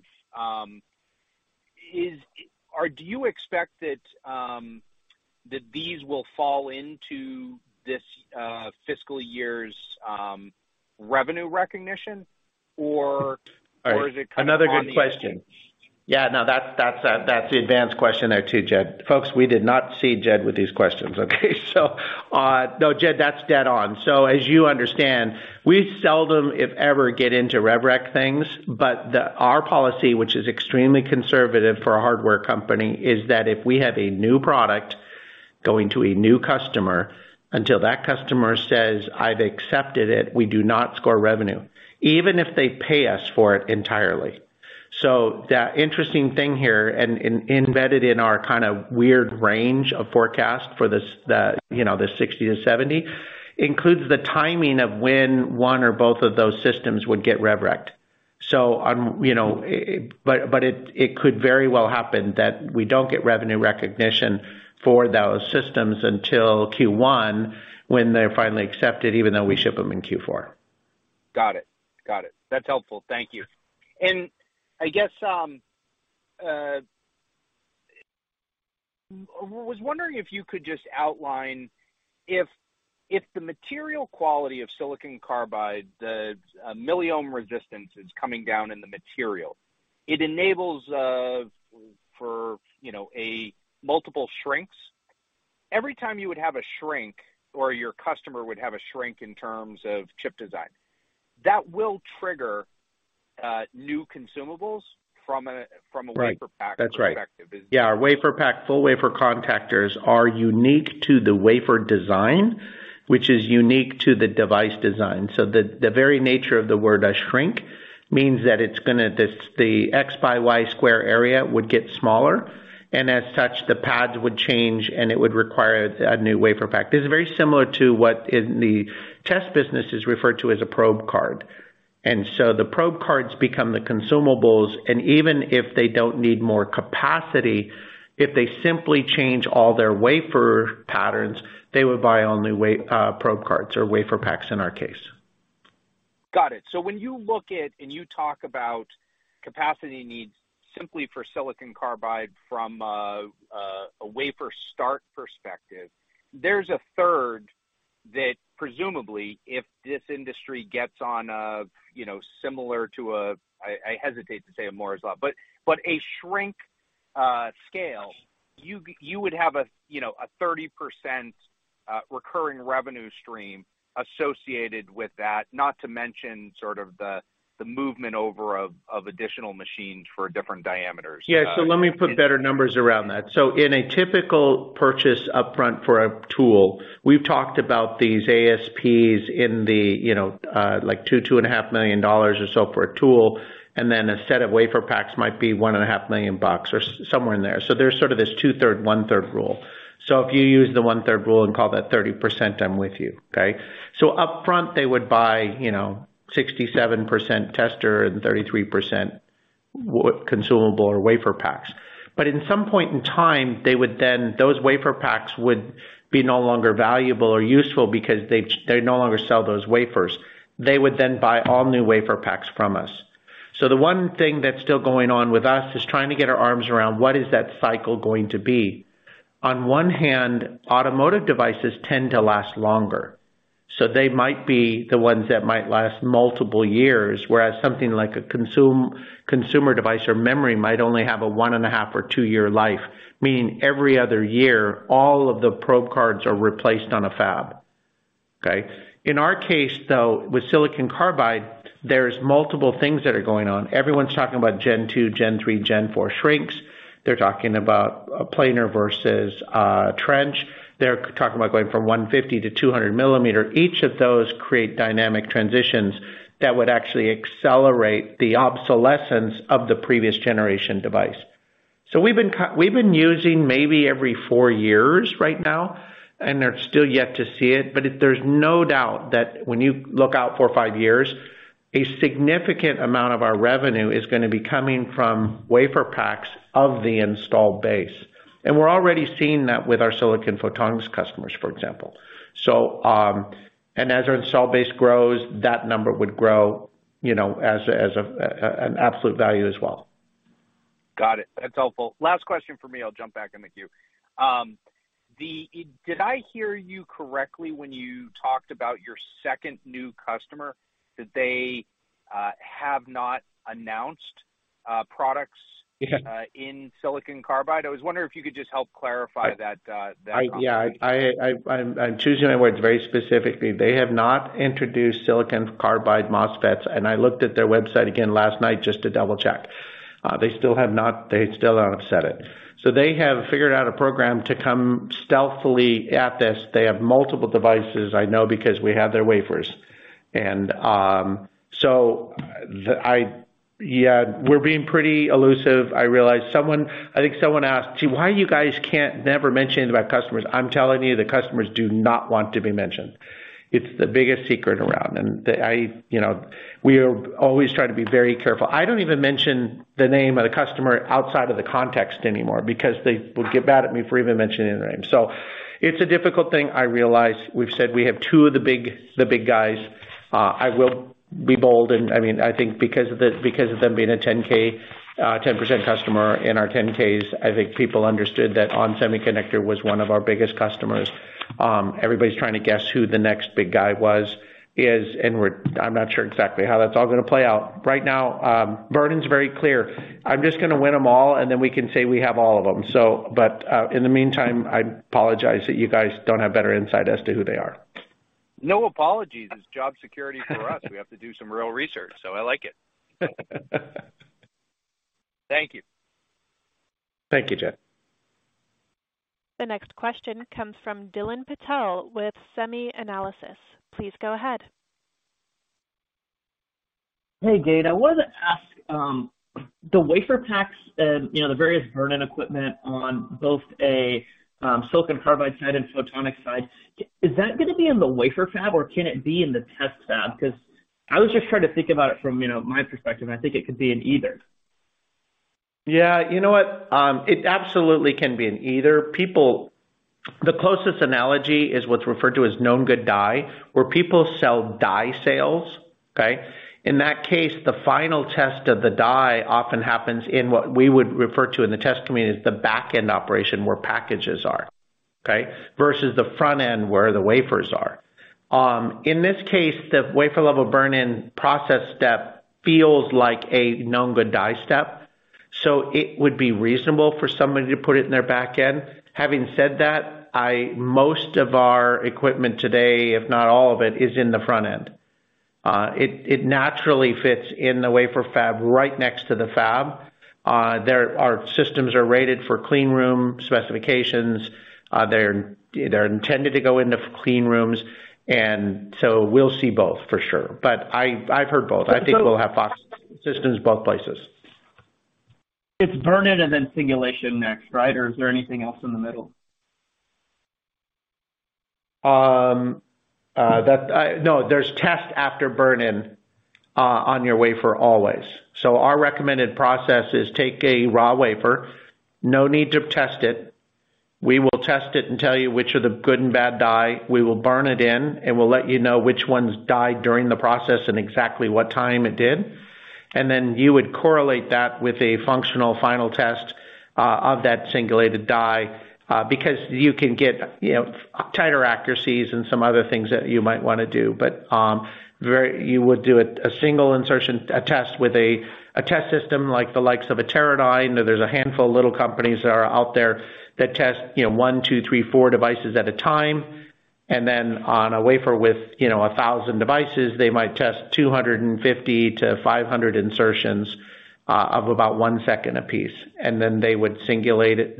do you expect that these will fall into this fiscal year's revenue recognition? All right. Is it kind of on the- Another good question. Yeah. No, that's the advanced question there too, Jed. Folks, we did not see Jed with these questions. Okay. No, Jed, that's dead on. As you understand, we seldom, if ever, get into rev rec things, but our policy, which is extremely conservative for a hardware company, is that if we have a new product going to a new customer, until that customer says, "I've accepted it," we do not score revenue, even if they pay us for it entirely. The interesting thing here, and embedded in our kind of weird range of forecast for this, the, you know, the $60 million-$70 million, includes the timing of when one or both of those systems would get rev rec. on, you know... It could very well happen that we don't get revenue recognition for those systems until Q1 when they're finally accepted, even though we ship them in Q4. Got it. Got it. That's helpful. Thank you. I guess, was wondering if you could just outline if the material quality of silicon carbide, the milliohm resistance is coming down in the material, it enables for, you know, a multiple shrinks. Every time you would have a shrink or your customer would have a shrink in terms of chip design, that will trigger new consumables from a. Right. WaferPak perspective. That's right. Is- Our WaferPak, full wafer contactors are unique to the wafer design, which is unique to the device design. The very nature of the word a shrink means that it's gonna the X by Y square area would get smaller, and as such, the pads would change, and it would require a new WaferPak. This is very similar to what in the test business is referred to as a probe card. The probe cards become the consumables. Even if they don't need more capacity, if they simply change all their wafer patterns, they would buy all new probe cards or WaferPaks in our case. Got it. When you look at and you talk about capacity needs simply for silicon carbide from a wafer start perspective, there's a third that presumably if this industry gets on a, you know, similar to a, I hesitate to say a Moore's law, but a shrink scale, you would have a, you know, a 30% recurring revenue stream associated with that, not to mention sort of the movement over of additional machines for different diameters. Yeah. Let me put better numbers around that. In a typical purchase upfront for a tool, we've talked about these ASPs in the, you know, like $2 million-$2.5 million or so for a tool. Then a set of WaferPaks might be $1.5 million or somewhere in there. There's sort of this 2/3, 1/3 rule. If you use the 1/3 rule and call that 30%, I'm with you, okay? Upfront they would buy, you know, 67% tester and 33% consumable or WaferPaks. In some point in time, they would then. Those WaferPaks would be no longer valuable or useful because they no longer sell those wafers. They would then buy all new WaferPaks from us. The one thing that's still going on with us is trying to get our arms around what is that cycle going to be. On one hand, automotive devices tend to last longer, so they might be the ones that might last multiple years, whereas something like a consumer device or memory might only have a one and a half or two year life, meaning every other year, all of the probe cards are replaced on a fab, okay? In our case, though, with silicon carbide, there's multiple things that are going on. Everyone's talking about Gen 2, Gen 3, Gen 4 shrinks. They're talking about a planar versus a trench. They're talking about going from 150 mm-200 mm. Each of those create dynamic transitions that would actually accelerate the obsolescence of the previous generation device. We've been we've been using maybe every four years right now, and they're still yet to see it. If there's no doubt that when you look out four or five years, a significant amount of our revenue is gonna be coming from WaferPaks of the installed base. We're already seeing that with our silicon photonics customers, for example. As our install base grows, that number would grow, you know, as an absolute value as well. Got it. That's helpful. Last question for me. I'll jump back in the queue. Did I hear you correctly when you talked about your second new customer that they have not announced products? Yeah. In silicon carbide? I was wondering if you could just help clarify that comment. Yeah. I'm choosing my words very specifically. They have not introduced silicon carbide MOSFETs. I looked at their website again last night just to double-check. They still don't upset it. They have figured out a program to come stealthily at this. They have multiple devices. I know because we have their wafers. Yeah. We're being pretty elusive, I realize. I think someone asked, "Gee, why you guys can't never mention about customers?" I'm telling you, the customers do not want to be mentioned. It's the biggest secret around. You know, we always try to be very careful. I don't even mention the name of the customer outside of the context anymore because they would get mad at me for even mentioning their name. It's a difficult thing, I realize. We've said we have two of the big, the big guys. I will be bold, I mean, I think because of the, because of them being a 10-K, 10% customer in our 10-Ks, I think people understood that On Semiconductor was one of our biggest customers. Everybody's trying to guess who the next big guy was, is, and I'm not sure exactly how that's all gonna play out. Right now, Vernon's very clear. I'm just gonna win them all, and then we can say we have all of them. In the meantime, I apologize that you guys don't have better insight as to who they are. No apologies. It's job security for us. We have to do some real research. I like it. Thank you. Thank you, Jed. The next question comes from Dylan Patel with SemiAnalysis. Please go ahead. Hey, Gayn. I wanted to ask, the WaferPaks and, you know, the various burn-in equipment on both a silicon carbide side and photonic side, is that going to be in the wafer fab or can it be in the test fab? 'Cause I was just trying to think about it from, you know, my perspective, and I think it could be in either. Yeah. You know what? It absolutely can be in either. The closest analogy is what's referred to as known good die, where people sell die sales, okay? In that case, the final test of the die often happens in what we would refer to in the test community as the back-end operation, where packages are, okay? Versus the front-end where the wafers are. In this case, the wafer-level burn-in process step feels like a known good die step, so it would be reasonable for somebody to put it in their back end. Having said that, most of our equipment today, if not all of it, is in the front end. It naturally fits in the wafer fab right next to the fab. There are systems are rated for clean room specifications. They're intended to go into clean rooms, we'll see both for sure. I've heard both. I think we'll have FOX systems both places. It's burn-in and then singulation next, right? Is there anything else in the middle? No, there's test after burn-in on your wafer always. Our recommended process is take a raw wafer. No need to test it. We will test it and tell you which are the good and bad die. We will burn it in, and we'll let you know which ones died during the process and exactly what time it did. You would correlate that with a functional final test of that singulated die because you can get, you know, tighter accuracies and some other things that you might wanna do. You would do a single insertion, a test with a test system like the likes of a Teradyne. There's a handful of little companies that are out there that test, you know, one, two, three, four devices at a time. On a wafer with, you know, 1,000 devices, they might test 250 to 500 insertions of about one second a piece. They would singulate it.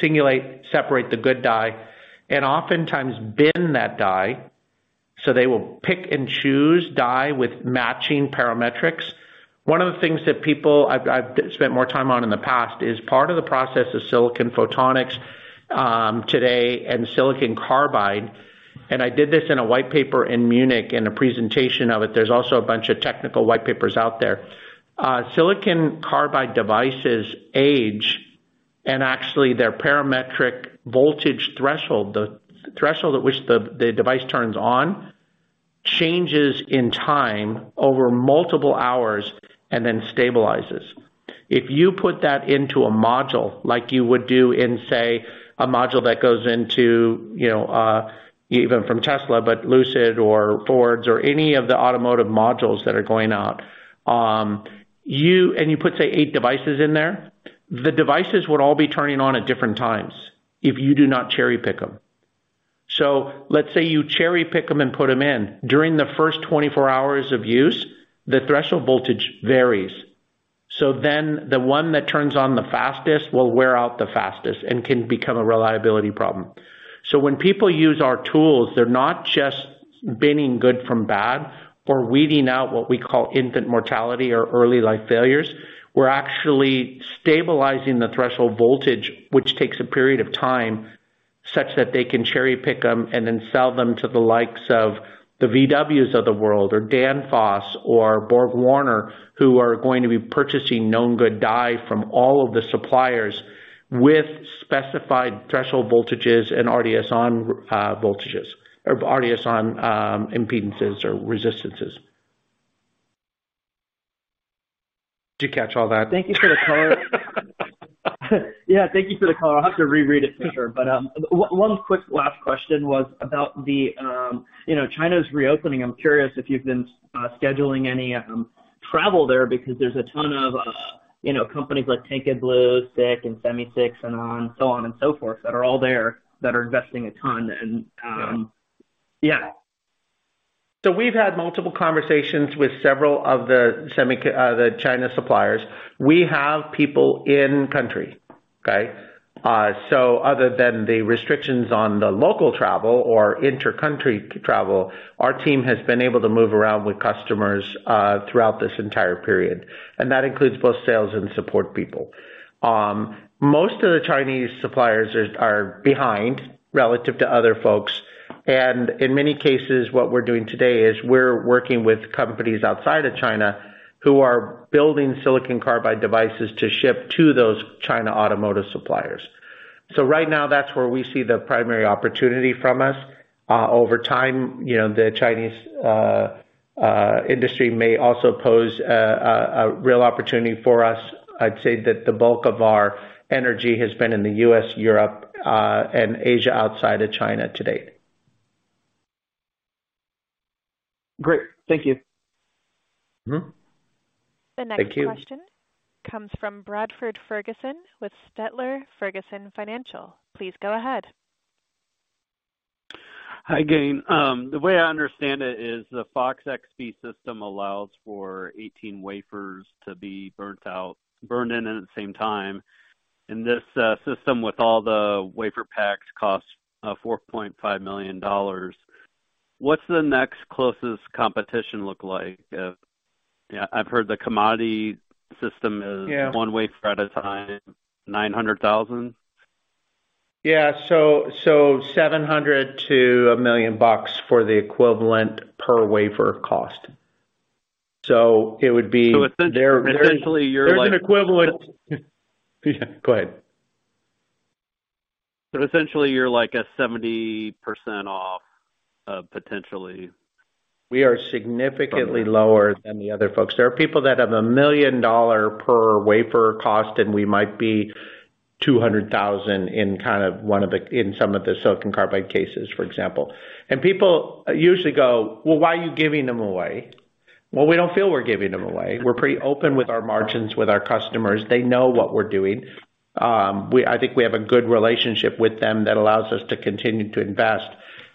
Singulate, separate the good die and oftentimes bin that die, so they will pick and choose die with matching parametrics. One of the things that people I've spent more time on in the past is part of the process of silicon photonics today and silicon carbide, and I did this in a white paper in Munich in a presentation of it. There's also a bunch of technical white papers out there. Silicon carbide devices age, and actually their parametric voltage threshold, the threshold at which the device turns on, changes in time over multiple hours and then stabilizes. If you put that into a module like you would do in, say, a module that goes into, you know, even from Tesla, but Lucid or Fords or any of the automotive modules that are going out, and you put, say, eight devices in there, the devices would all be turning on at different times if you do not cherry-pick them. Let's say you cherry-pick them and put them in, during the first 24 hours of use, the threshold voltage varies. The one that turns on the fastest will wear out the fastest and can become a reliability problem. When people use our tools, they're not just binning good from bad or weeding out what we call infant mortality or early life failures. We're actually stabilizing the threshold voltage, which takes a period of time, such that they can cherry-pick them and then sell them to the likes of the VWs of the world or Danfoss or BorgWarner, who are going to be purchasing known good die from all of the suppliers with specified threshold voltages and RDS(on) voltages or RDS(on) impedances or resistances. Did you catch all that? Thank you for the color. Yeah, thank you for the color. I'll have to reread it for sure. One quick last question was about the, you know, China's reopening. I'm curious if you've been scheduling any travel there because there's a ton of, you know, companies like TanKeBlue, SiC, and SEMISiC and on, so on and so forth, that are all there that are investing a ton and… Yeah. Yeah. We've had multiple conversations with several of the China suppliers. We have people in country, okay? Other than the restrictions on the local travel or inter-country travel, our team has been able to move around with customers throughout this entire period, and that includes both sales and support people. Most of the Chinese suppliers are behind relative to other folks, and in many cases, what we're doing today is we're working with companies outside of China who are building silicon carbide devices to ship to those China automotive suppliers. Right now that's where we see the primary opportunity from us. Over time, you know, the Chinese industry may also pose a real opportunity for us. I'd say that the bulk of our energy has been in the US, Europe, and Asia outside of China to date. Great. Thank you. Mm-hmm. Thank you. The next question comes from Bradford Ferguson with Halter Ferguson Financial. Please go ahead. Hi, Gayn. The way I understand it is the FOX-XP system allows for 18 wafers to be burnt out, burned in at the same time, and this system with all the WaferPaks costs $4.5 million. What's the next closest competition look like? Yeah, I've heard the commodity system. Yeah. one wafer at a time, 900,000. Yeah. So $700,000-$1 million for the equivalent per wafer cost. essentially you're like- There's an equivalent... Yeah, go ahead. Essentially you're like at 70% off, potentially. We are significantly lower than the other folks. There are people that have a $1 million per wafer cost, we might be $200,000 in some of the silicon carbide cases, for example. Well, why are you giving them away? Well, we don't feel we're giving them away. We're pretty open with our margins with our customers. They know what we're doing. I think we have a good relationship with them that allows us to continue to invest.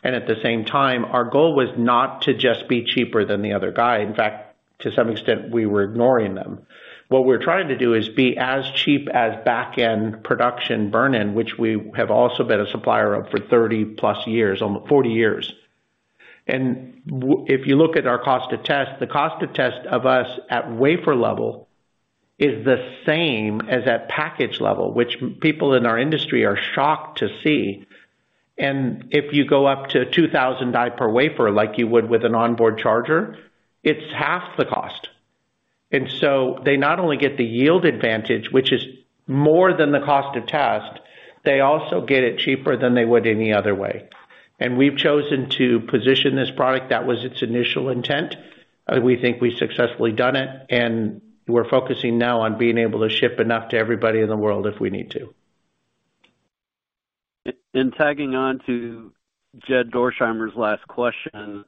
At the same time, our goal was not to just be cheaper than the other guy. In fact, to some extent, we were ignoring them. What we're trying to do is be as cheap as back-end production burn-in, which we have also been a supplier of for 30+ years, almost 40 years. If you look at our cost to test, the cost to test of us at wafer level is the same as at package level, which people in our industry are shocked to see. If you go up to 2,000 die per wafer like you would with an onboard charger, it's half the cost. They not only get the yield advantage, which is more than the cost to test, they also get it cheaper than they would any other way. We've chosen to position this product. That was its initial intent. We think we've successfully done it, and we're focusing now on being able to ship enough to everybody in the world if we need to. And tagging on to Jed Dorsheimer's last question,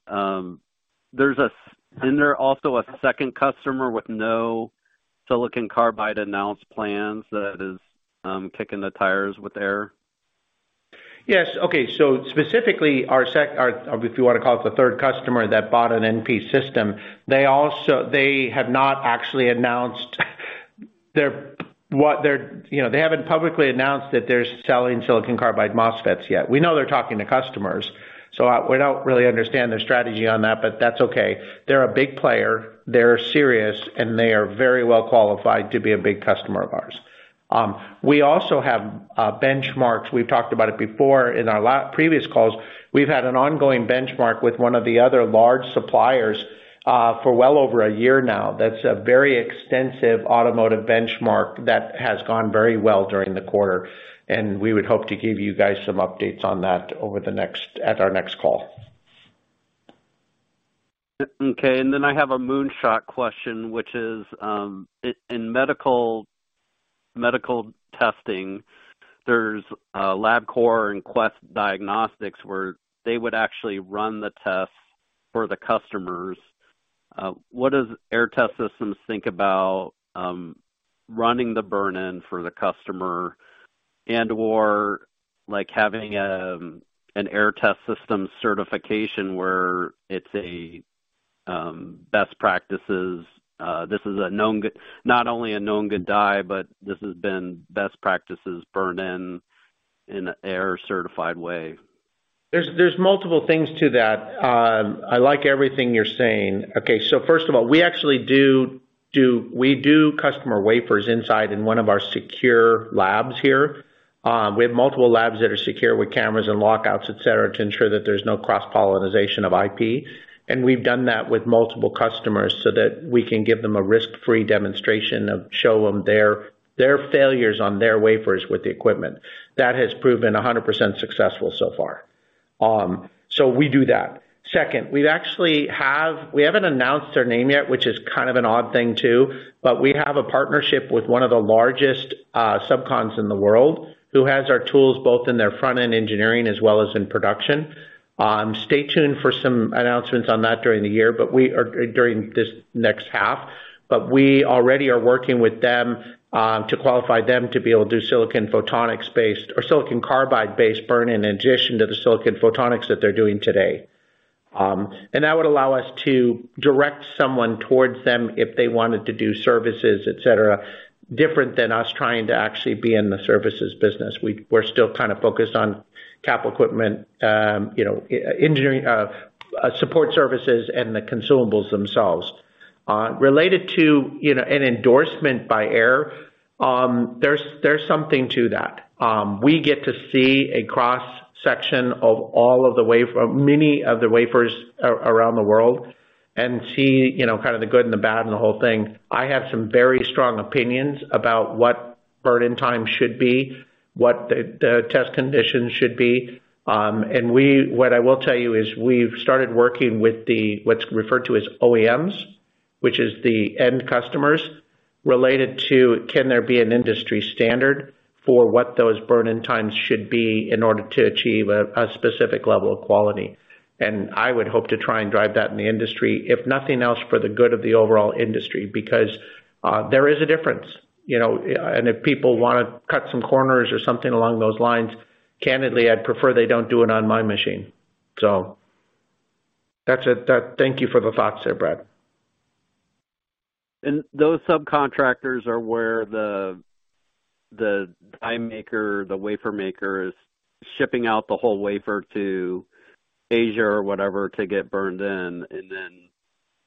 there also a second customer with no silicon carbide announced plans that is, kicking the tires with Aehr. Yes. Okay. Specifically our, if you wanna call it the third customer that bought an NP system. They have not actually announced that they're selling silicon carbide MOSFETs yet. We know they're talking to customers, we don't really understand their strategy on that's okay. They're a big player, they're serious, they are very well qualified to be a big customer of ours. We also have benchmarks. We've talked about it before in our previous calls. We've had an ongoing benchmark with one of the other large suppliers for well over a year now. That's a very extensive automotive benchmark that has gone very well during the quarter, we would hope to give you guys some updates on that at our next call. Okay. I have a moonshot question, which is, in medical testing, there's Labcorp and Quest Diagnostics, where they would actually run the tests for the customers. What does Aehr Test Systems think about running the burn-in for the customer and/or like having an Aehr Test Systems certification where it's best practices, this is not only a known good die, but this has been best practices burned in an Aehr certified way? There's multiple things to that. I like everything you're saying. Okay. First of all, we actually do customer wafers inside in one of our secure labs here. We have multiple labs that are secure with cameras and lockouts, et cetera, to ensure that there's no cross-pollination of IP. We've done that with multiple customers so that we can give them a risk-free demonstration of show them their failures on their wafers with the equipment. That has proven 100% successful so far. We do that. Second, we actually have We haven't announced their name yet, which is kind of an odd thing too, but we have a partnership with one of the largest subcons in the world who has our tools both in their front-end engineering as well as in production. Stay tuned for some announcements on that during the year, but we are during this next half. We already are working with them to qualify them to be able to do silicon photonics based or silicon carbide based burn-in addition to the silicon photonics that they're doing today. That would allow us to direct someone towards them if they wanted to do services, et cetera, different than us trying to actually be in the services business. We're still kind of focused on capital equipment, you know, e-engineering, support services and the consumables themselves. Related to, you know, an endorsement by Aehr, there's something to that. We get to see a cross-section of many of the wafers around the world and see, you know, kind of the good and the bad and the whole thing. I have some very strong opinions about what burn-in time should be, what the test conditions should be. What I will tell you is we've started working with the, what's referred to as OEMs, which is the end customers, related to can there be an industry standard for what those burn-in times should be in order to achieve a specific level of quality. I would hope to try and drive that in the industry, if nothing else, for the good of the overall industry, because there is a difference, you know. If people wanna cut some corners or something along those lines, candidly, I'd prefer they don't do it on my machine. That's it. Thank you for the thoughts there, Brad. Those subcontractors are where the die maker, the wafer maker is shipping out the whole wafer to Asia or whatever to get burned in,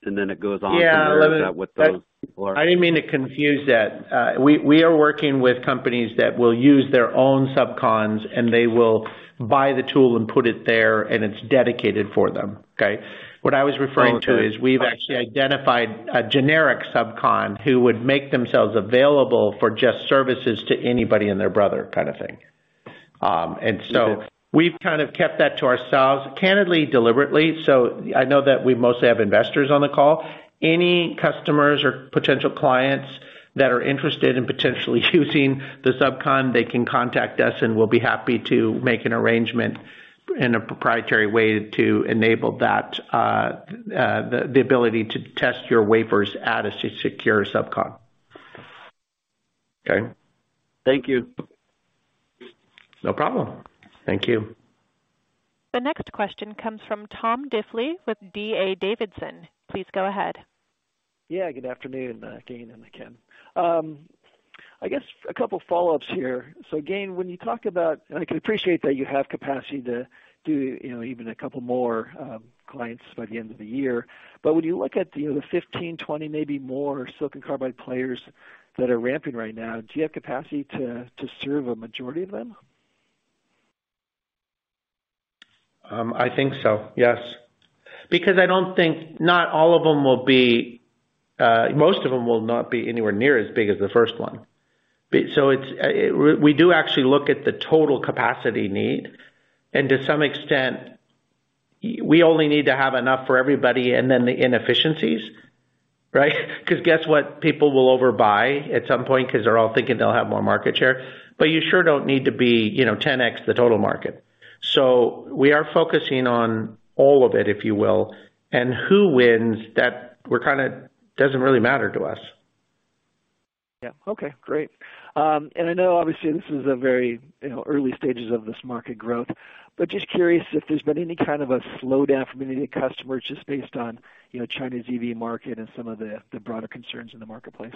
and then it goes on from there. Is that what those people are? Yeah. I didn't mean to confuse that. We are working with companies that will use their own subcons, and they will buy the tool and put it there, and it's dedicated for them. Okay? What I was referring to is we've actually identified a generic subcon who would make themselves available for just services to anybody and their brother kind of thing. We've kind of kept that to ourselves, candidly, deliberately. I know that we mostly have investors on the call. Any customers or potential clients that are interested in potentially using the subcon, they can contact us, and we'll be happy to make an arrangement in a proprietary way to enable that, the ability to test your wafers at a secure subcon. Okay. Thank you. No problem. Thank you. The next question comes from Tom Diffely with D.A. Davidson. Please go ahead. Yeah, good afternoon, Gayn and Ken. I guess a couple follow-ups here. Gayn, when you talk about... And I can appreciate that you have capacity to do, you know, even a couple more clients by the end of the year. When you look at, you know, the 15, 20, maybe more silicon carbide players that are ramping right now, do you have capacity to serve a majority of them? I think so, yes. I don't think Not all of them will be, most of them will not be anywhere near as big as the first one. It's, we do actually look at the total capacity need, and to some extent, we only need to have enough for everybody and then the inefficiencies, right? 'Cause guess what? People will overbuy at some point 'cause they're all thinking they'll have more market share. You sure don't need to be, you know, 10x the total market. We are focusing on all of it, if you will. Who wins that, we're kinda, doesn't really matter to us. Yeah. Okay, great. I know obviously this is a very, you know, early stages of this market growth, but just curious if there's been any kind of a slowdown from any of the customers just based on, you know, China's EV market and some of the broader concerns in the marketplace?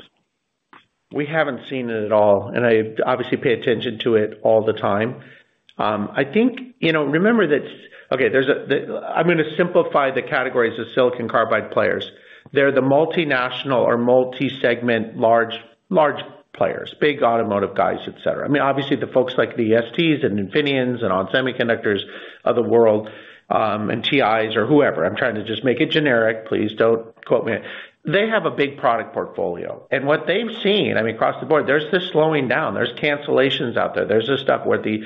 We haven't seen it at all, and I obviously pay attention to it all the time. I think, you know, remember that. Okay, I'm gonna simplify the categories of silicon carbide players. They're the multinational or multi-segment large players, big automotive guys, et cetera. I mean, obviously, the folks like the STs and Infineons and On Semiconductors of the world, and TIs or whoever. I'm trying to just make it generic. Please don't quote me. They have a big product portfolio, and what they've seen, I mean, across the board, there's this slowing down. There's cancellations out there. There's this stuff where this.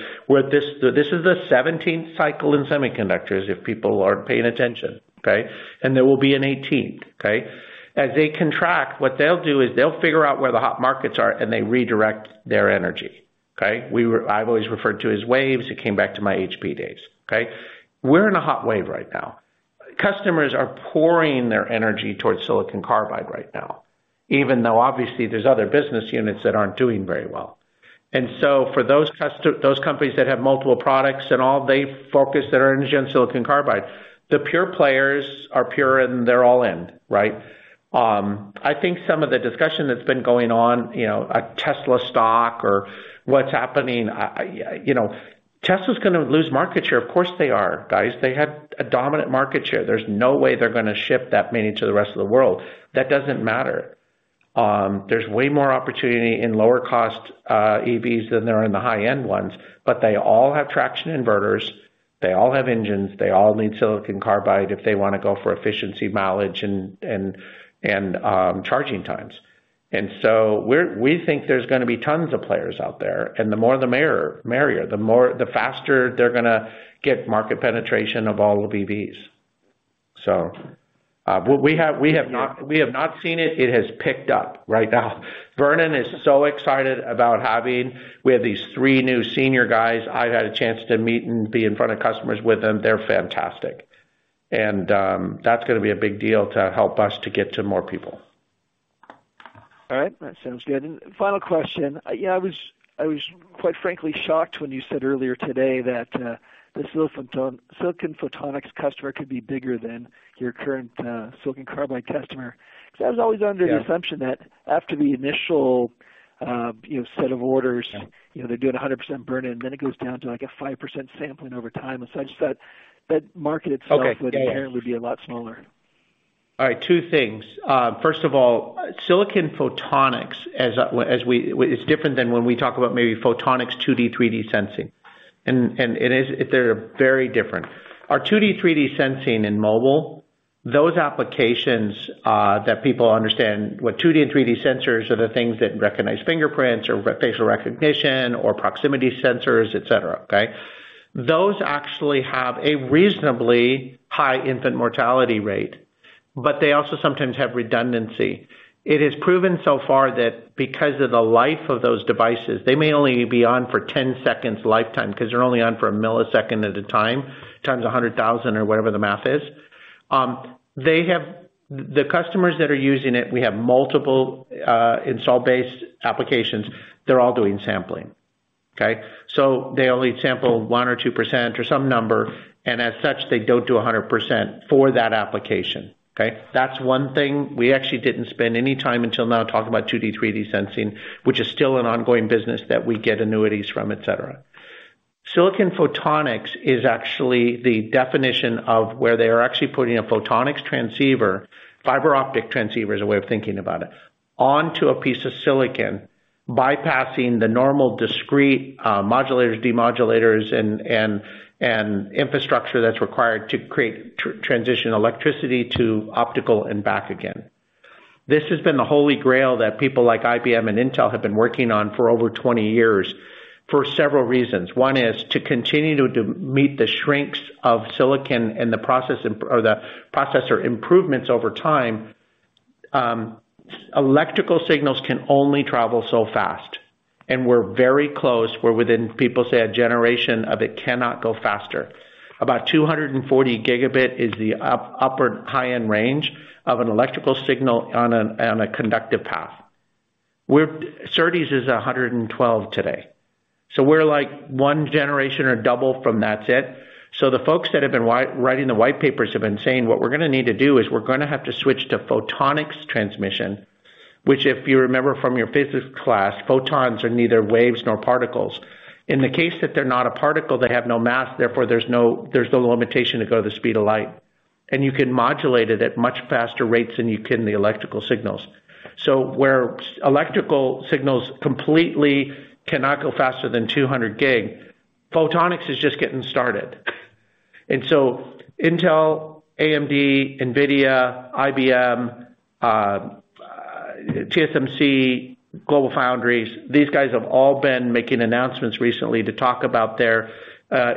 This is the 17th cycle in semiconductors if people aren't paying attention, okay? There will be an 18th, okay? As they contract, what they'll do is they'll figure out where the hot markets are, and they redirect their energy, okay? I've always referred to as waves. It came back to my HP days, okay? We're in a hot wave right now. Customers are pouring their energy towards silicon carbide right now, even though obviously there's other business units that aren't doing very well. For those companies that have multiple products and all they focus their energy on silicon carbide, the pure players are pure and they're all in, right? I think some of the discussion that's been going on, you know, a Tesla stock or what's happening, you know, Tesla's gonna lose market share. Of course they are, guys. They had a dominant market share. There's no way they're gonna ship that many to the rest of the world. That doesn't matter. There's way more opportunity in lower cost, EVs than there are in the high-end ones. They all have traction inverters. They all have engines. They all need silicon carbide if they wanna go for efficiency, mileage, and charging times. We think there's gonna be tons of players out there, and the more, the merrier, the faster they're gonna get market penetration of all the EVs. We have not seen it. It has picked up right now. Vernon is so excited about. We have these three new senior guys I've had a chance to meet and be in front of customers with them. They're fantastic. That's gonna be a big deal to help us to get to more people. All right. That sounds good. Final question. Yeah, I was quite frankly shocked when you said earlier today that this silicon photonics customer could be bigger than your current silicon carbide customer. I was always under the assumption that after the initial, you know, set of orders, you know, they're doing 100% burn-in, then it goes down to, like, a 5% sampling over time. As such, that market itself would inherently be a lot smaller. All right. Two things. First of all, silicon photonics, as it's different than when we talk about maybe photonics 2D, 3D sensing. They're very different. Our 2D, 3D sensing in mobile, those applications, that people understand what 2D and 3D sensors are the things that recognize fingerprints or facial recognition or proximity sensors, et cetera, okay? Those actually have a reasonably high infant mortality rate, but they also sometimes have redundancy. It is proven so far that because of the life of those devices, they may only be on for 10 seconds lifetime 'cause they're only on for a millisecond at a time, times 100,000 or whatever the math is. The customers that are using it, we have multiple install-based applications. They're all doing sampling, okay? They only sample 1% or 2% or some number, and as such, they don't do 100% for that application, okay? That's one thing. We actually didn't spend any time until now talking about 2D, 3D sensing, which is still an ongoing business that we get annuities from, et cetera. Silicon photonics is actually the definition of where they are actually putting a photonics transceiver, fiber optic transceiver is a way of thinking about it, onto a piece of silicon, bypassing the normal discrete modulators, demodulators and infrastructure that's required to create transition electricity to optical and back again. This has been the holy grail that people like IBM and Intel have been working on for over 20 years for several reasons. One is to continue to meet the shrinks of silicon and the processor improvements over time. Electrical signals can only travel so fast, we're very close. We're within, people say, a generation of it cannot go faster. About 240 Gb is the upper high-end range of an electrical signal on a conductive path. SerDes is 112 Gb today. We're like one generation or double from that's it. The folks that have been writing the white papers have been saying, what we're gonna need to do is we're gonna have to switch to photonics transmission, which if you remember from your physics class, photons are neither waves nor particles. In the case that they're not a particle, they have no mass, therefore, there's no, there's no limitation to go the speed of light. You can modulate it at much faster rates than you can the electrical signals. Where electrical signals completely cannot go faster than 200 Gb, photonics is just getting started. Intel, AMD, NVIDIA, IBM, TSMC, GlobalFoundries, these guys have all been making announcements recently to talk about their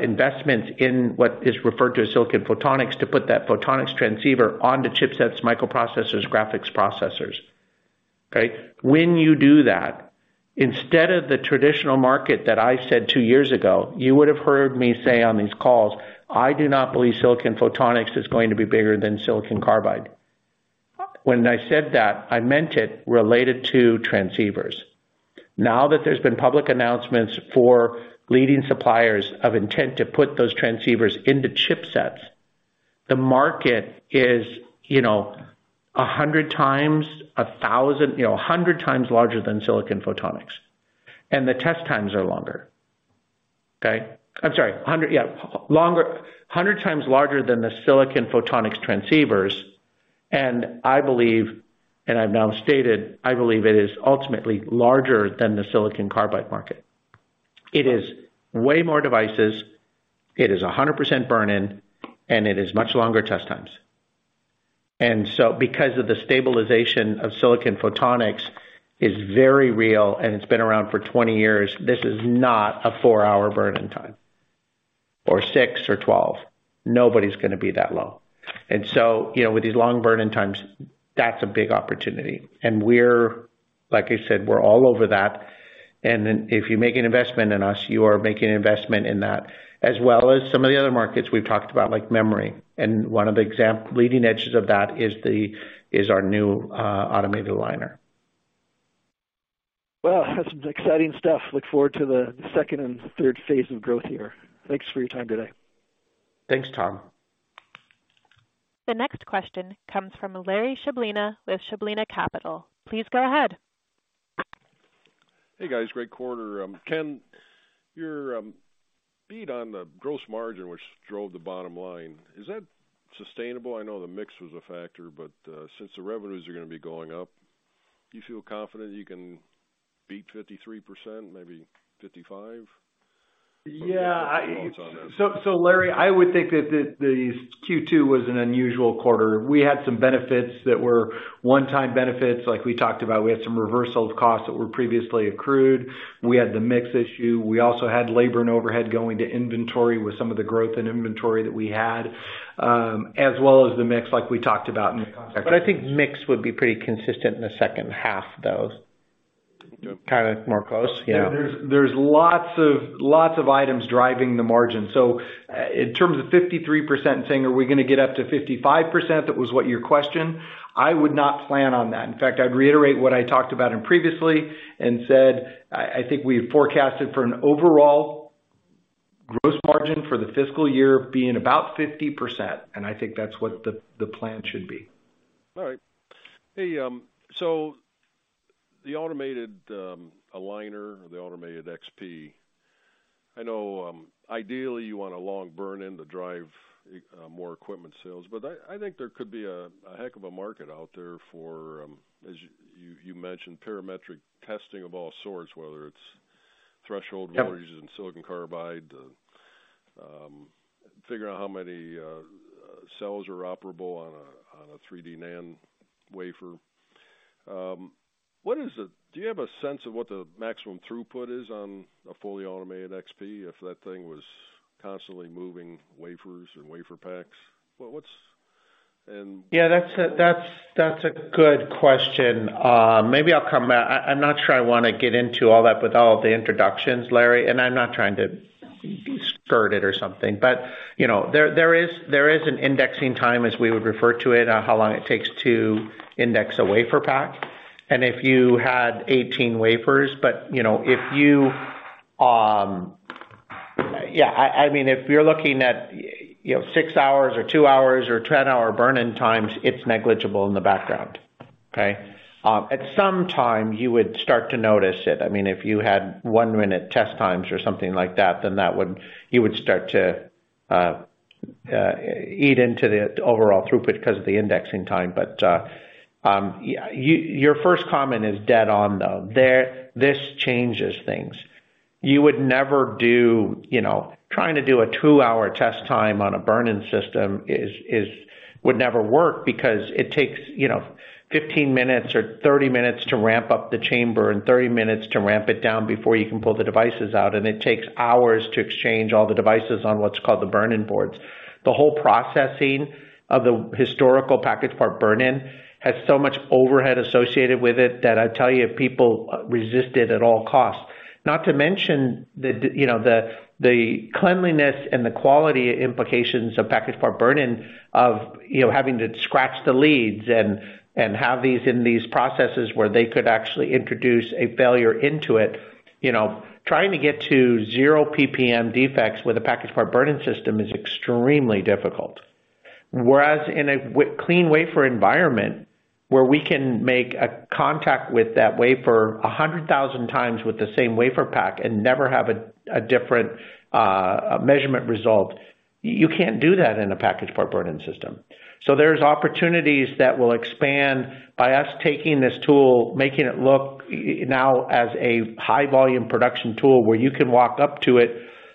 investments in what is referred to as silicon photonics, to put that photonics transceiver onto chipsets, microprocessors, graphics processors, okay? When you do that, instead of the traditional market that I said two years ago, you would have heard me say on these calls, "I do not believe silicon photonics is going to be bigger than silicon carbide." When I said that, I meant it related to transceivers. Now that there's been public announcements for leading suppliers of intent to put those transceivers into chipsets, the market is, you know, 100 times 1,000, you know, 100 times larger than silicon photonics. The test times are longer, okay? I'm sorry, 100, yeah, longer, 100 times larger than the silicon photonics transceivers. I believe, and I've now stated, I believe it is ultimately larger than the silicon carbide market. It is way more devices, it is 100% burn-in, and it is much longer test times. Because of the stabilization of silicon photonics is very real, and it's been around for 20 years, this is not a four hour burn-in time or six or 12. Nobody's gonna be that low. You know, with these long burn-in times, that's a big opportunity. We're, like I said, we're all over that. If you make an investment in us, you are making an investment in that, as well as some of the other markets we've talked about, like memory. One of the leading edges of that is the, is our new, automated aligner. Well, that's some exciting stuff. Look forward to the second and third phase of growth here. Thanks for your time today. Thanks, Tom. The next question comes from Larry Chlebina with Chlebina Capital. Please go ahead. Hey, guys. Great quarter. Ken, your beat on the gross margin, which drove the bottom line, is that sustainable? I know the mix was a factor, but since the revenues are gonna be going up, do you feel confident you can beat 53%, maybe 55%? Yeah. What's your thoughts on that? Larry, I would think that the Q2 was an unusual quarter. We had some benefits that were one-time benefits, like we talked about. We had some reversal of costs that were previously accrued. We had the mix issue. We also had labor and overhead going to inventory with some of the growth in inventory that we had, as well as the mix like we talked about in the context. I think mix would be pretty consistent in the second half, though. Kinda more close. Yeah. There's lots of, lots of items driving the margin. In terms of 53%, saying, are we gonna get up to 55%, that was what your question. I would not plan on that. In fact, I'd reiterate what I talked about in previously and said I think we had forecasted for an overall gross margin for the fiscal year being about 50%, and I think that's what the plan should be. All right. Hey, the automated aligner or the automated XP, I know, ideally you want a long burn-in to drive more equipment sales, I think there could be a heck of a market out there for, as you mentioned parametric testing of all sorts, whether it's threshold-. Yep... voltages in silicon carbide, figuring out how many cells are operable on a 3D NAND wafer. Do you have a sense of what the maximum throughput is on a fully automated FOX-XP if that thing was constantly moving wafers and WaferPaks? Yeah, that's a good question. Maybe I'll come back. I'm not sure I wanna get into all that with all of the introductions, Larry, and I'm not trying to skirt it or something. You know, there is an indexing time, as we would refer to it, on how long it takes to index a WaferPak. If you had 18 wafers, you know, if you... Yeah, I mean, if you're looking at, you know, six hours or two hours or 10-hour burn-in times, it's negligible in the background. Okay? At some time you would start to notice it. I mean, if you had one minute test times or something like that, then you would start to eat into the overall throughput because of the indexing time. Yeah, you know, your first comment is dead on, though. This changes things. You would never do, you know, trying to do a two hour test time on a burn-in system is would never work because it takes, you know, 15 minutes or 30 minutes to ramp up the chamber and 30 minutes to ramp it down before you can pull the devices out, and it takes hours to exchange all the devices on what's called the burn-in boards. The whole processing of the historical package-level burn-in has so much overhead associated with it that I tell you, people resist it at all costs. Not to mention, you know, the cleanliness and the quality implications of package-level burn-in of, you know, having to scratch the leads and have these in these processes where they could actually introduce a failure into it. You know, trying to get to zero PPM defects with a package-level burn-in system is extremely difficult. Whereas in a clean wafer environment, where we can make a contact with that wafer 100,000 times with the same WaferPak and never have a different measurement result, you can't do that in a package-level burn-in system. There's opportunities that will expand by us taking this tool, making it look now as a high volume production tool where you can walk up to it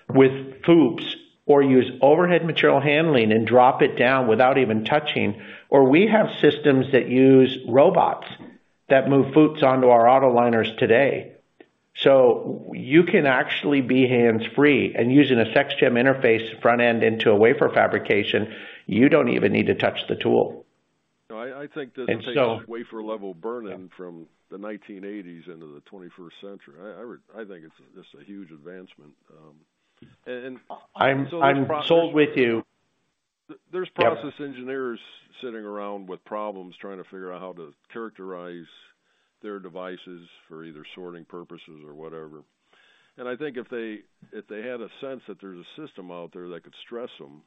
with FOUPs or use overhead material handling and drop it down without even touching. We have systems that use robots that move FOUPs onto our auto aligners today. You can actually be hands-free and using a SECS/GEM interface front end into a wafer fabrication, you don't even need to touch the tool. No, I think. And so-... taking wafer-level burn-in from the 1980s into the 21st century, I think it's just a huge advancement, and so. I'm sold with you. Th-there's- Yeah... process engineers sitting around with problems trying to figure out how to characterize their devices for either sorting purposes or whatever. I think if they had a sense that there's a system out there that could stress them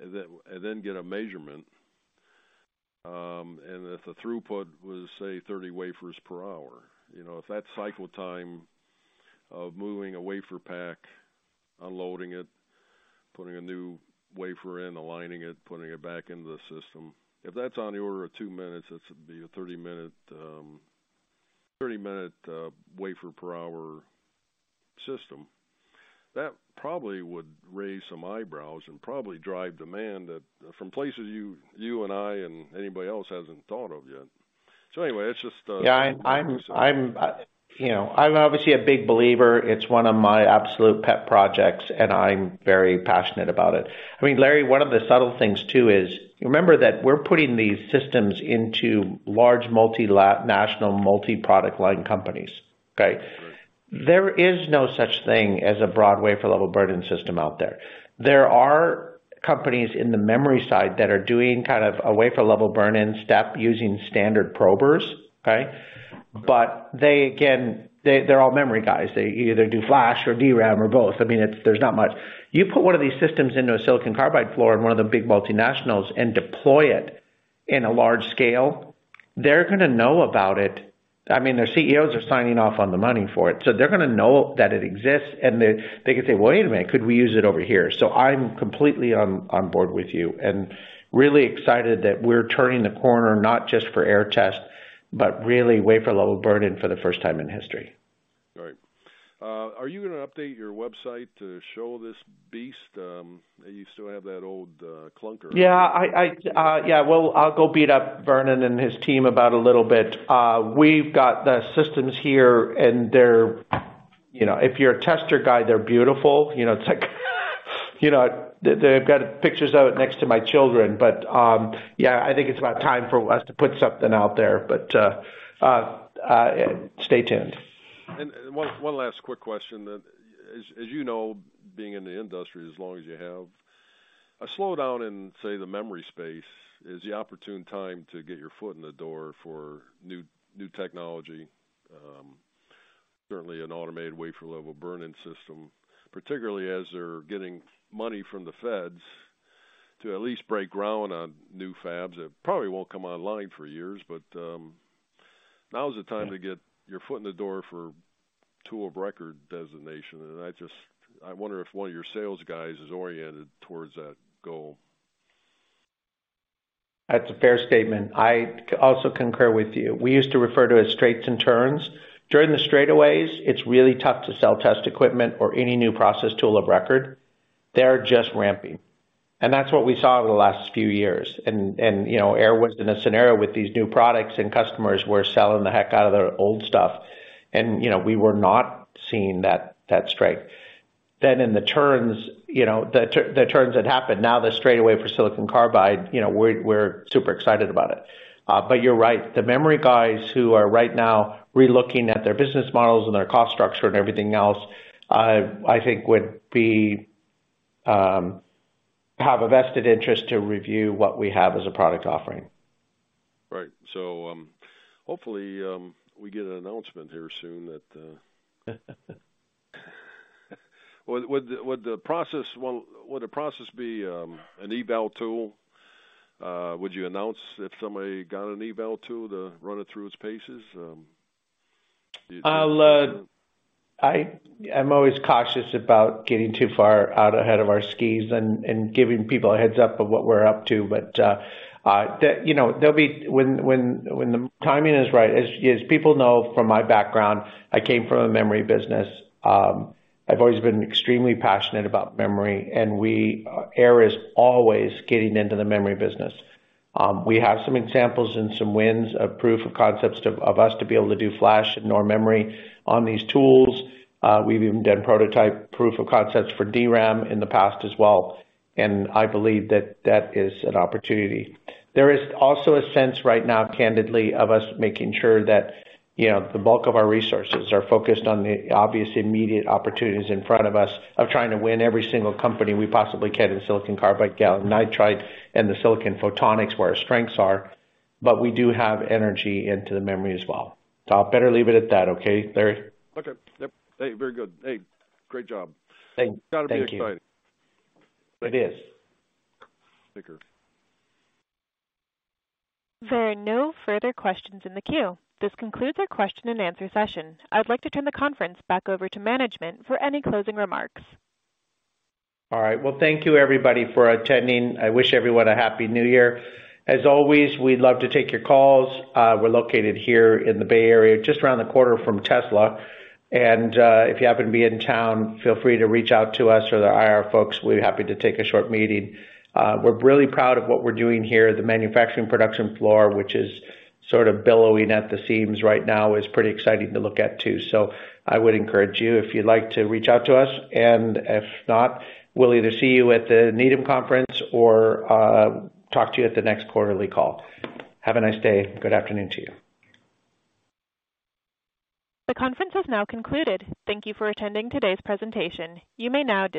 and then get a measurement, and if the throughput was, say, 30 wafers per hour. You know, if that cycle time of moving a WaferPak, unloading it, putting a new wafer in, aligning it, putting it back into the system, if that's on the order of two minutes, this would be a 30-minute wafer per hour system. That probably would raise some eyebrows and probably drive demand that from places you and I and anybody else hasn't thought of yet. Anyway, that's just- Yeah. I'm, you know, I'm obviously a big believer. It's one of my absolute pet projects, and I'm very passionate about it. I mean, Larry, one of the subtle things too is, remember that we're putting these systems into large multi-national multi-product line companies. Okay? Right. There is no such thing as a broad wafer-level burn-in system out there. There are companies in the memory side that are doing kind of a wafer-level burn-in step using standard probers, okay? They, again, they're all memory guys. They either do flash or DRAM or both. I mean, there's not much. You put one of these systems into a silicon carbide floor in one of the big multinationals and deploy it in a large scale, they're gonna know about it. I mean, their CEOs are signing off on the money for it, so they're gonna know that it exists, and they could say, "Well, wait a minute. Could we use it over here?" I'm completely on board with you and really excited that we're turning the corner, not just for Aehr Test, but really wafer-level burn-in for the first time in history. All right. Are you gonna update your website to show this beast? You still have that old, clunker. Yeah, I, yeah, well, I'll go beat up Vernon and his team about a little bit. We've got the systems here and they're, you know, if you're a tester guy, they're beautiful. You know, it's like, you know, they've got pictures of it next to my children. Yeah, I think it's about time for us to put something out there. Stay tuned. One last quick question. As you know, being in the industry as long as you have, a slowdown in, say, the memory space is the opportune time to get your foot in the door for new technology. Certainly an automated wafer-level burn-in system, particularly as they're getting money from the feds to at least break ground on new fabs. It probably won't come online for years, but, now is the time to get your foot in the door for tool of record designation. I just wonder if one of your sales guys is oriented towards that goal. That's a fair statement. I also concur with you. We used to refer to it as straights and turns. During the straightaways, it's really tough to sell test equipment or any new process tool of record. They're just ramping, that's what we saw over the last few years. You know, Aehr was in a scenario with these new products and customers were selling the heck out of their old stuff. You know, we were not seeing that straight. In the turns, you know, the turns that happened, now the straightaway for silicon carbide, you know, we're super excited about it. You're right. The memory guys who are right now relooking at their business models and their cost structure and everything else, I think would be have a vested interest to review what we have as a product offering. Right. Hopefully, we get an announcement here soon that. Well, would the process be an eval tool? Would you announce if somebody got an eval tool to run it through its paces? Do you? I'll always cautious about getting too far out ahead of our skis and giving people a heads up of what we're up to. you know, there'll be When the timing is right, as people know from my background, I came from a memory business. I've always been extremely passionate about memory, and we Aehr is always getting into the memory business. We have some examples and some wins of proof of concepts to us to be able to do NOR flash memory on these tools. We've even done prototype proof of concepts for DRAM in the past as well, I believe that that is an opportunity. There is also a sense right now, candidly, of us making sure that, you know, the bulk of our resources are focused on the obvious immediate opportunities in front of us of trying to win every single company we possibly can in silicon carbide, gallium nitride, and the silicon photonics where our strengths are. We do have energy into the memory as well. I better leave it at that. Okay, Larry? Okay. Yep. Very good. Hey, great job. Thank you. Gotta be exciting. It is. Thank you. There are no further questions in the queue. This concludes our question-and-answer session. I would like to turn the conference back over to management for any closing remarks. All right. Well, thank you everybody for attending. I wish everyone a happy New Year. As always, we'd love to take your calls. We're located here in the Bay Area, just around the corner from Tesla. If you happen to be in town, feel free to reach out to us or the IR folks. We'd be happy to take a short meeting. We're really proud of what we're doing here. The manufacturing production floor, which is sort of billowing at the seams right now, is pretty exciting to look at too. I would encourage you, if you'd like to reach out to us. If not, we'll either see you at the Needham Conference or talk to you at the next quarterly call. Have a nice day. Good afternoon to you. The conference has now concluded. Thank you for attending today's presentation. You may now disconnect.